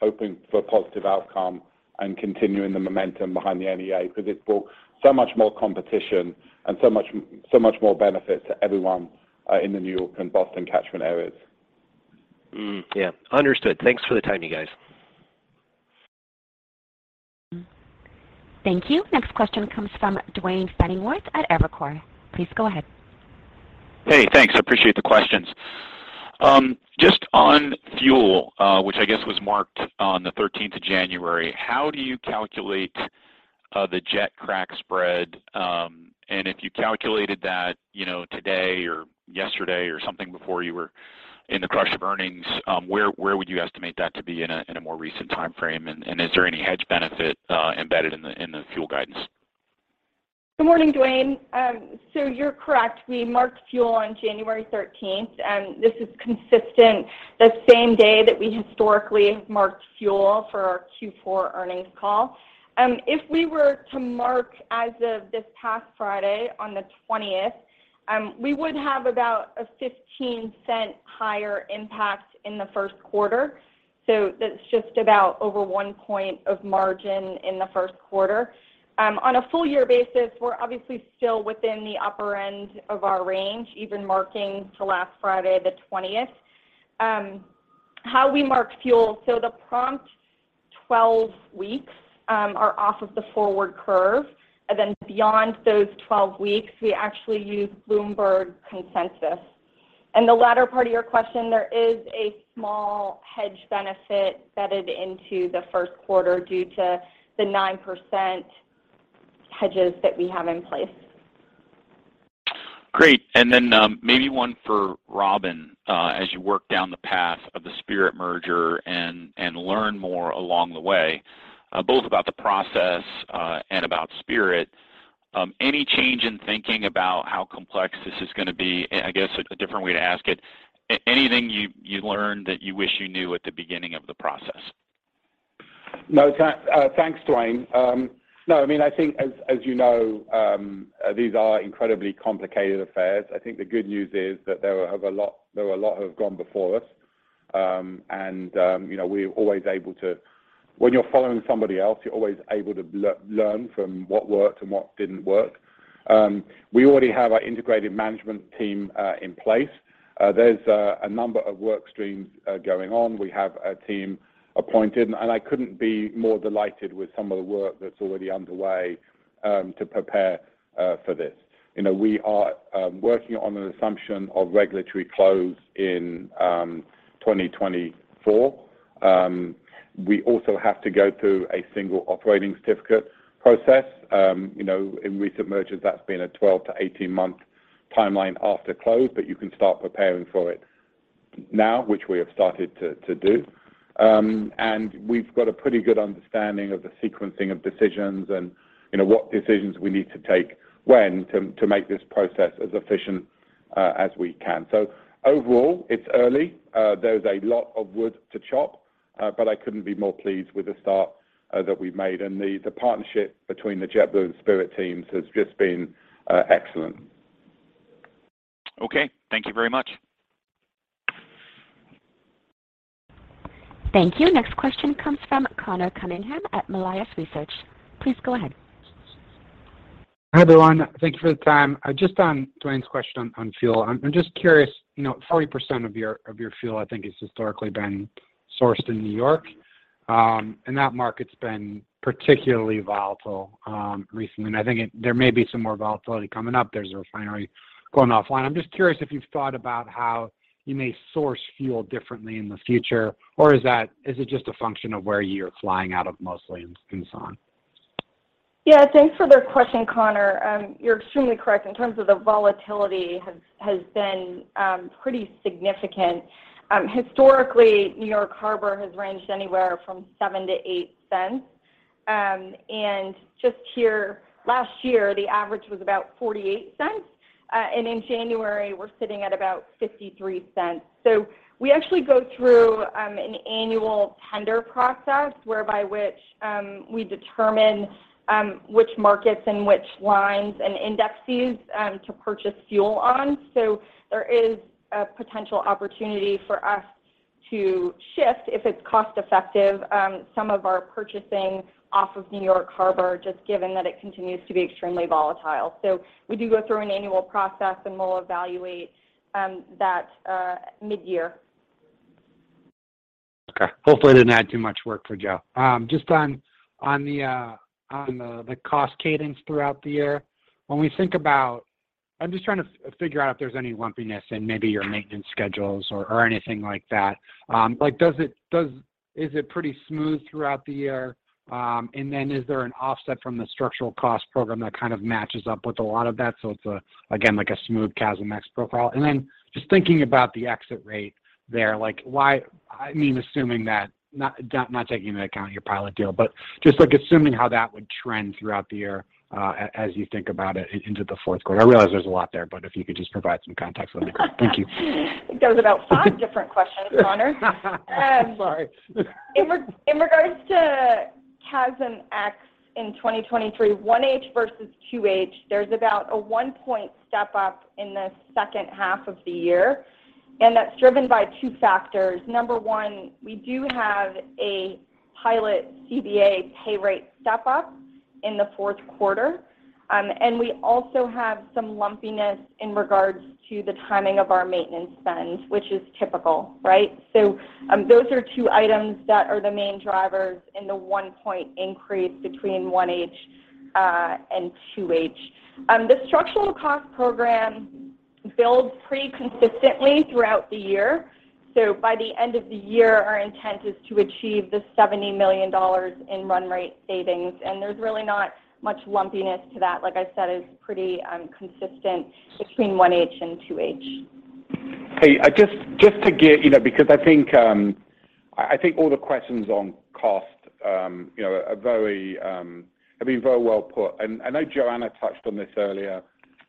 hoping for a positive outcome and continuing the momentum behind the NEA 'cause it's brought so much more competition and so much more benefit to everyone in the New York and Boston catchment areas. Yeah. Understood. Thanks for the time, you guys. Thank you. Next question comes from Duane Pfennigwerth at Evercore. Please go ahead. Hey. Thanks. I appreciate the questions. Just on fuel, which I guess was marked on the 13th of January, how do you calculate the jet crack spread? If you calculated that today or yesterday or something before you were in the crush of earnings, where would you estimate that to be in a more recent timeframe? Is there any hedge benefit embedded in the fuel guidance? Good morning, Duane. You're correct. We marked fuel on January 13th, and this is consistent the same day that we historically have marked fuel for our Q4 earnings call. If we were to mark as of this past Friday on the 20th, we would have about a $0.15 higher impact in the Q1. That's just about over 1 point of margin in the Q1. On a full year basis, we're obviously still within the upper end of our range, even marking to last Friday the 20th. How we mark fuel, so the prompt 12 weeks, are off of the forward curve, and then beyond those 12 weeks, we actually use Bloomberg consensus. The latter part of your question, there is a small hedge benefit embedded into the Q1 due to the 9% hedges that we have in place. Great. Maybe one for Robin. As you work down the path of the Spirit merger and learn more along the way, both about the process and about Spirit, any change in thinking about how complex this is going to be? I guess a different way to ask it, anything you learned that you wish you knew at the beginning of the process? No. Thanks, Duane. No, I mean, I think as these are incredibly complicated affairs. I think the good news is that there are a lot who have gone before us, and we're always able to. When you're following somebody else, you're always able to learn from what worked and what didn't work. We already have our integrated management team in place. There's a number of work streams going on. We have a team appointed, I couldn't be more delighted with some of the work that's already underway to prepare for this. we are working on an assumption of regulatory close in 2024. We also have to go through a single operating certificate process. You know, in recent mergers, that's been a 12-18 month timeline after close, but you can start preparing for it now, which we have started to do. We've got a pretty good understanding of the sequencing of decisions and what decisions we need to take when to make this process as efficient as we can. Overall, it's early. There's a lot of wood to chop, but I couldn't be more pleased with the start that we've made. The partnership between the JetBlue and Spirit teams has just been excellent. Okay. Thank you very much. Thank you. Next question comes from Conor Cunningham at Melius Research. Please go ahead. Hi, everyone. Thank you for the time. Just on Duane's question on fuel, I'm just curious 40% of your fuel I think has historically been sourced in New York Harbor, and that market's been particularly volatile recently, and I think there may be some more volatility coming up. There's a refinery going offline. I'm just curious if you've thought about how you may source fuel differently in the future, or is it just a function of where you're flying out of mostly and so on? Yeah. Thanks for the question, Conor. You're extremely correct in terms of the volatility has been pretty significant. Historically, New York Harbor has ranged anywhere from $0.07-$0.08. And just here last year, the average was about $0.48. And in January, we're sitting at about $0.53. We actually go through an annual tender process whereby which we determine which markets and which lines and indexes to purchase fuel on. There is a potential opportunity for us to shift, if it's cost effective, some of our purchasing off of New York Harbor, just given that it continues to be extremely volatile. We do go through an annual process, and we'll evaluate that mid-year. Okay. Hopefully didn't add too much work for Joe. Just on the cost cadence throughout the year, when we think about... I'm just trying to figure out if there's any lumpiness in maybe your maintenance schedules or anything like that. Like, is it pretty smooth throughout the year? And then is there an offset from the structural cost program that kind of matches up with a lot of that so it's a, again, like a smooth CASMx profile? And then just thinking about the exit rate there, like why, I mean, assuming that, not taking into account your pilot deal, but just like assuming how that would trend throughout the year, as you think about it into the Q4. I realize there's a lot there, but if you could just provide some context, that'd be great. Thank you. I think that was about five different questions, Conor. Sorry. In regards to CASMx in 2023, 1H versus 2H, there's about a 1-point step up in the second half of the year, and that's driven by two factors. Number one, we do have a pilot CBA pay rate step up in the Q4, and we also have some lumpiness in regards to the timing of our maintenance spend, which is typical, right? Those are two items that are the main drivers in the 1 point increase between 1H and 2H. The structural cost program builds pretty consistently throughout the year, so by the end of the year, our intent is to achieve the $70 million in run rate savings, and there's really not much lumpiness to that. Like I said, it's pretty consistent between 1H and 2H. Hey, just to get because I think, all the questions on cost are very, have been very well put, and I know Joanna touched on this earlier,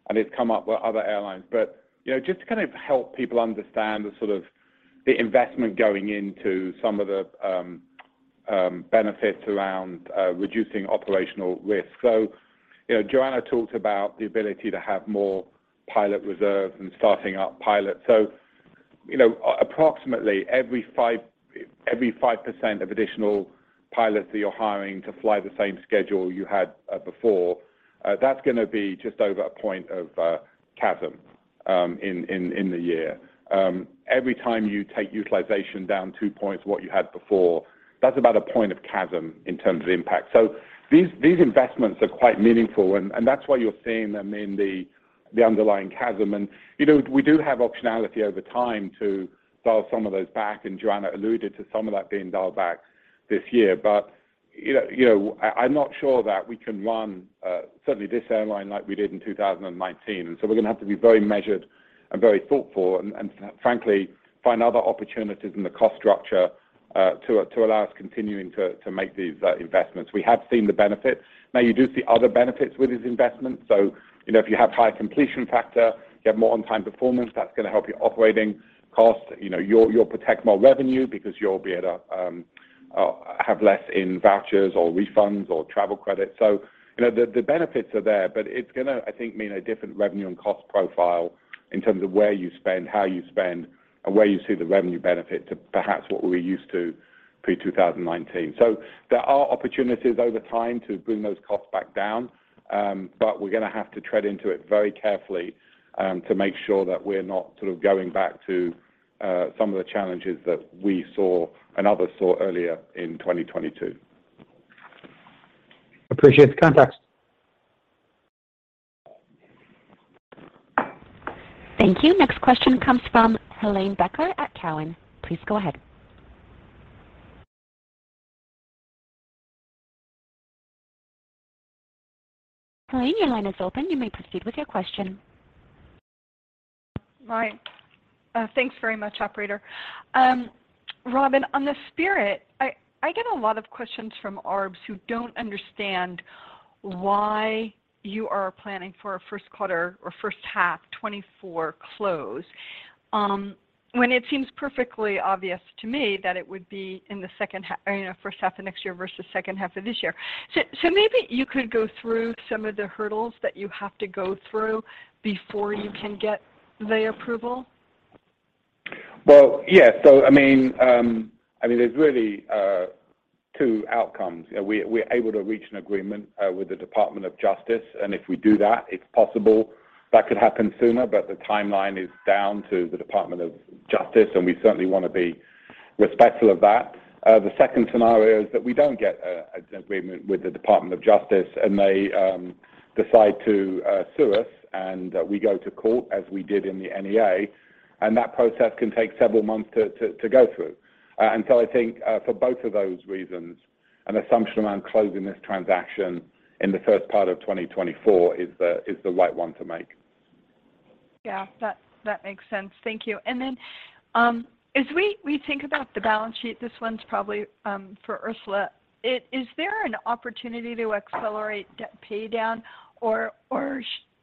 and it's come up with other airlines. just to kind of help people understand the sort of the investment going into some of the benefits around reducing operational risk. Joanna talked about the ability to have more pilot reserves and starting up pilots. approximately every 5% of additional pilots that you're hiring to fly the same schedule you had before, that's going to be just over a point of CASM in the year. Every time you take utilization down 2 points what you had before, that's about 1 point of CASM in terms of impact. These investments are quite meaningful, and that's why you're seeing them in the underlying CASM. we do have optionality over time to dial some of those back, and Joanna alluded to some of that being dialed back this year. I'm not sure that we can run, certainly this airline like we did in 2019. We're going to have to be very measured and very thoughtful and, frankly, find other opportunities in the cost structure, to allow us continuing to make these investments. We have seen the benefits. You do see other benefits with these investments. You know, if you have higher completion factor, you have more on-time performance, that's going to help your operating costs. you'll protect more revenue because you'll be able to have less in vouchers or refunds or travel credits. the benefits are there, but it's going to, I think, mean a different revenue and cost profile in terms of where you spend, how you spend, and where you see the revenue benefit to perhaps what we're used to pre 2019. There are opportunities over time to bring those costs back down. But we're going to have to tread into it very carefully to make sure that we're not sort of going back to some of the challenges that we saw and others saw earlier in 2022. Appreciate the context. Thank you. Next question comes from Helane Becker at Cowen. Please go ahead. Helane, your line is open. You may proceed with your question. Hi. Thanks very much, operator. Robin, on the Spirit, I get a lot of questions from arbs who don't understand why you are planning for a Q1 or first half 2024 close, when it seems perfectly obvious to me that it would be in the second first half of next year versus second half of this year. Maybe you could go through some of the hurdles that you have to go through before you can get the approval. Yeah. There's really two outcomes. We're able to reach an agreement with the Department of Justice, and if we do that, it's possible that could happen sooner. The timeline is down to the Department of Justice, and we certainly want to be respectful of that. The second scenario is that we don't get a agreement with the Department of Justice and they decide to sue us and we go to court as we did in the NEA. That process can take several months to go through. I think for both of those reasons, an assumption around closing this transaction in the first part of 2024 is the right one to make. Yeah, that makes sense. Thank you. Then, as we think about the balance sheet, this one's probably for Ursula. Is there an opportunity to accelerate pay down or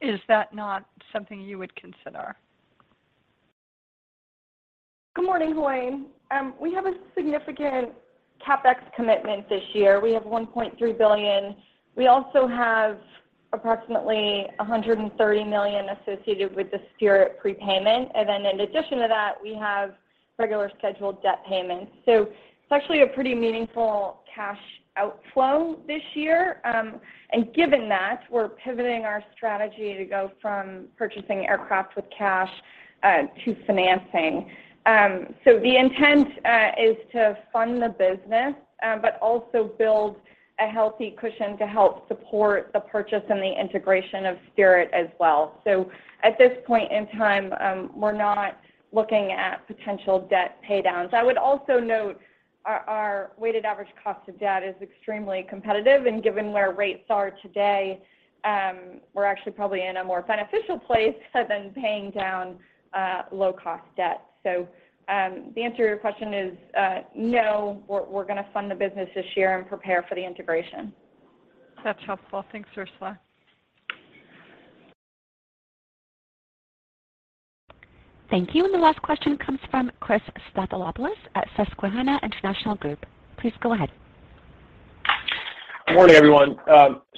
is that not something you would consider? Good morning, Helane. We have a significant CapEx commitment this year. We have $1.3 billion. We also have approximately $130 million associated with the Spirit prepayment. In addition to that, we have regular scheduled debt payments. It's actually a pretty meaningful cash outflow this year. Given that, we're pivoting our strategy to go from purchasing aircraft with cash to financing. The intent is to fund the business, but also build a healthy cushion to help support the purchase and the integration of Spirit as well. At this point in time, we're not looking at potential debt pay downs. I would also note our weighted average cost of debt is extremely competitive. Given where rates are today, we're actually probably in a more beneficial place than paying down low-cost debt. The answer to your question is no, we're going to fund the business this year and prepare for the integration. That's helpful. Thanks, Ursula. Thank you. The last question comes from Christopher Stathoulopoulos at Susquehanna International Group. Please go ahead. Good morning, everyone.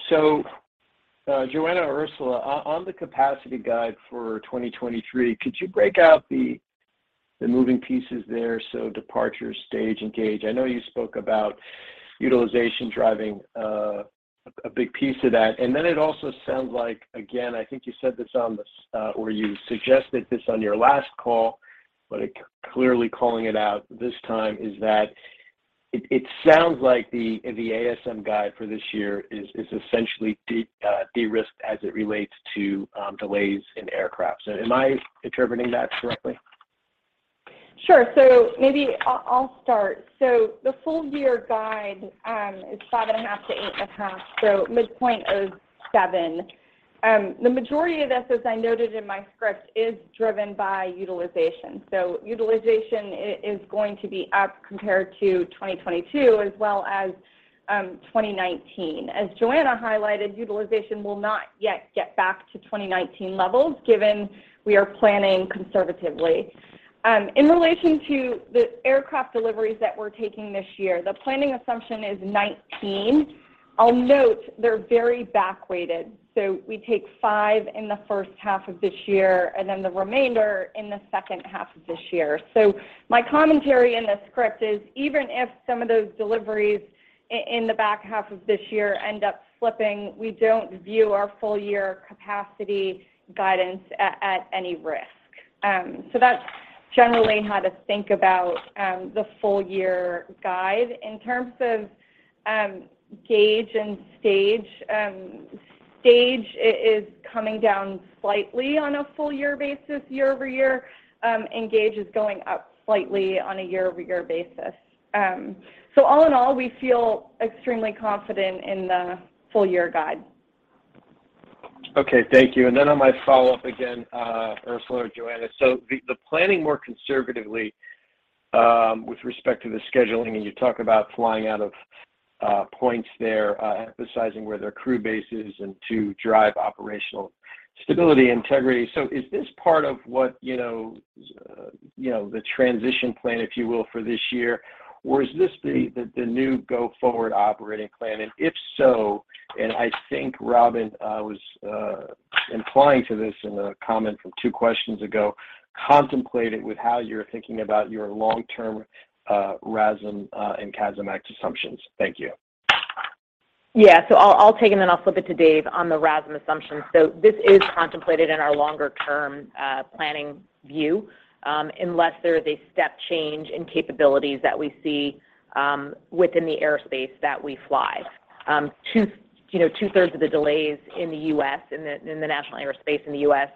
Joanna, Ursula, on the capacity guide for 2023, could you break out the moving pieces there, so departures, stage, and gauge? I know you spoke about utilization driving a big piece of that. It also sounds like, again, I think you said this on this, or you suggested this on your last call, but clearly calling it out this time, is that it sounds like the ASM guide for this year is essentially de-risked as it relates to delays in aircraft. Am I interpreting that correctly? Sure. Maybe I'll start. The full year guide is 5.5-8.5, midpoint of 7. The majority of this, as I noted in my script, is driven by utilization. Utilization is going to be up compared to 2022 as well as 2019. As Joanna highlighted, utilization will not yet get back to 2019 levels given we are planning conservatively. In relation to the aircraft deliveries that we're taking this year, the planning assumption is 19. I'll note they're very back weighted, so we take 5 in the first half of this year and then the remainder in the second half of this year. My commentary in the script is, even if some of those deliveries in the back half of this year end up slipping, we don't view our full year capacity guidance at any risk. That's generally how to think about the full year guide. In terms of gauge and stage, Stage is coming down slightly on a full year basis, year-over-year. Engage is going up slightly on a year-over-year basis. All in all, we feel extremely confident in the full year guide. Okay. Thank you. On my follow-up again, Ursula or Joanna. The planning more conservatively, with respect to the scheduling, and you talk about flying out of points there, emphasizing where their crew base is and to drive operational stability, integrity. Is this part of what the transition plan, if you will, for this year? Or is this the new go-forward operating plan? If so, and I think Robin was implying to this in a comment from two questions ago, contemplated with how you're thinking about your long-term RASM and CASM assumptions. Thank you. I'll take it, and then I'll flip it to Dave on the RASM assumptions. This is contemplated in our longer term planning view, unless there is a step change in capabilities that we see within the airspace that we fly. two two-thirds of the delays in the U.S., in the national airspace in the U.S.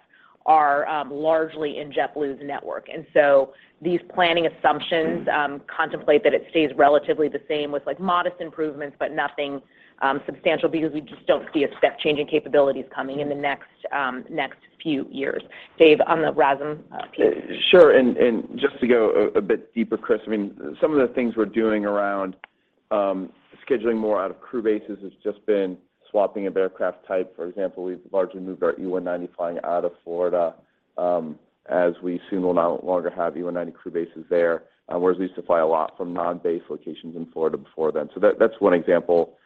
are largely in JetBlue's network. These planning assumptions contemplate that it stays relatively the same with, like, modest improvements, but nothing substantial because we just don't see a step change in capabilities coming in the next few years. Dave, on the RASM piece. Sure. Just to go a bit deeper, Chris, I mean, some of the things we're doing around scheduling more out of crew bases has just been swapping of aircraft type. For example, we've largely moved our E190 flying out of Florida as we soon will no longer have E190 crew bases there, whereas we used to fly a lot from non-base locations in Florida before then. That's one example.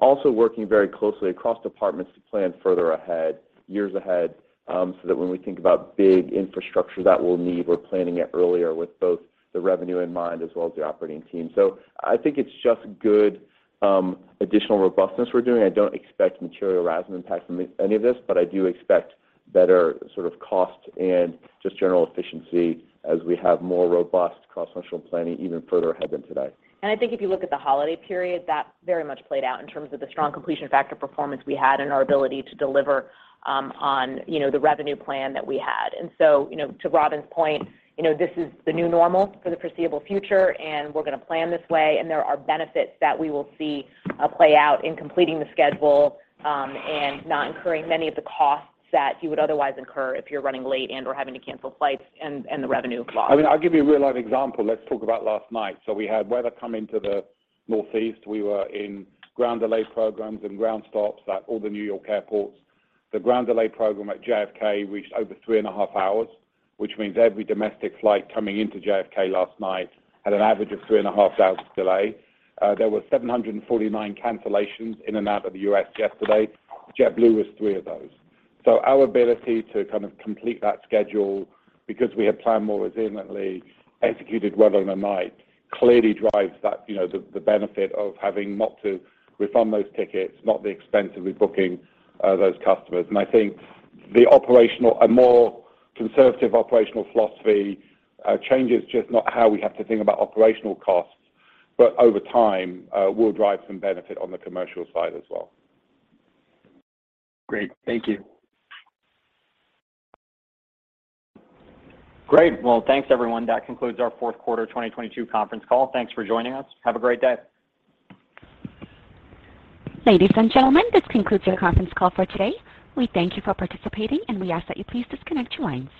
Also working very closely across departments to plan further ahead, years ahead, so that when we think about big infrastructure that we'll need, we're planning it earlier with both the revenue in mind as well as the operating team. I think it's just good additional robustness we're doing. I don't expect material RASM impact from any of this. I do expect better sort of cost and just general efficiency as we have more robust cross-functional planning even further ahead than today. I think if you look at the holiday period, that very much played out in terms of the strong completion factor performance we had and our ability to deliver, on the revenue plan that we had. to Robin's point this is the new normal for the foreseeable future, and we're going to plan this way, and there are benefits that we will see, play out in completing the schedule, and not incurring many of the costs that you would otherwise incur if you're running late and/or having to cancel flights and the revenue loss. I mean, I'll give you a real-life example. Let's talk about last night. We had weather come into the Northeast. We were in ground delay programs and ground stops at all the New York airports. The ground delay program at JFK reached over 3.5 hours, which means every domestic flight coming into JFK last night had an average of 3.5 hours delay. There were 749 cancellations in and out of the U.S. yesterday. JetBlue was 3 of those. Our ability to kind of complete that schedule because we had planned more resiliently, executed well overnight, clearly drives that the benefit of having not to refund those tickets, not the expense of rebooking those customers. I think a more conservative operational philosophy changes just not how we have to think about operational costs, but over time, will drive some benefit on the commercial side as well. Great. Thank you. Great. Well, thanks everyone. That concludes our Q4 of 2022 conference call. Thanks for joining us. Have a great day. Ladies and gentlemen, this concludes your conference call for today. We thank you for participating. We ask that you please disconnect your lines.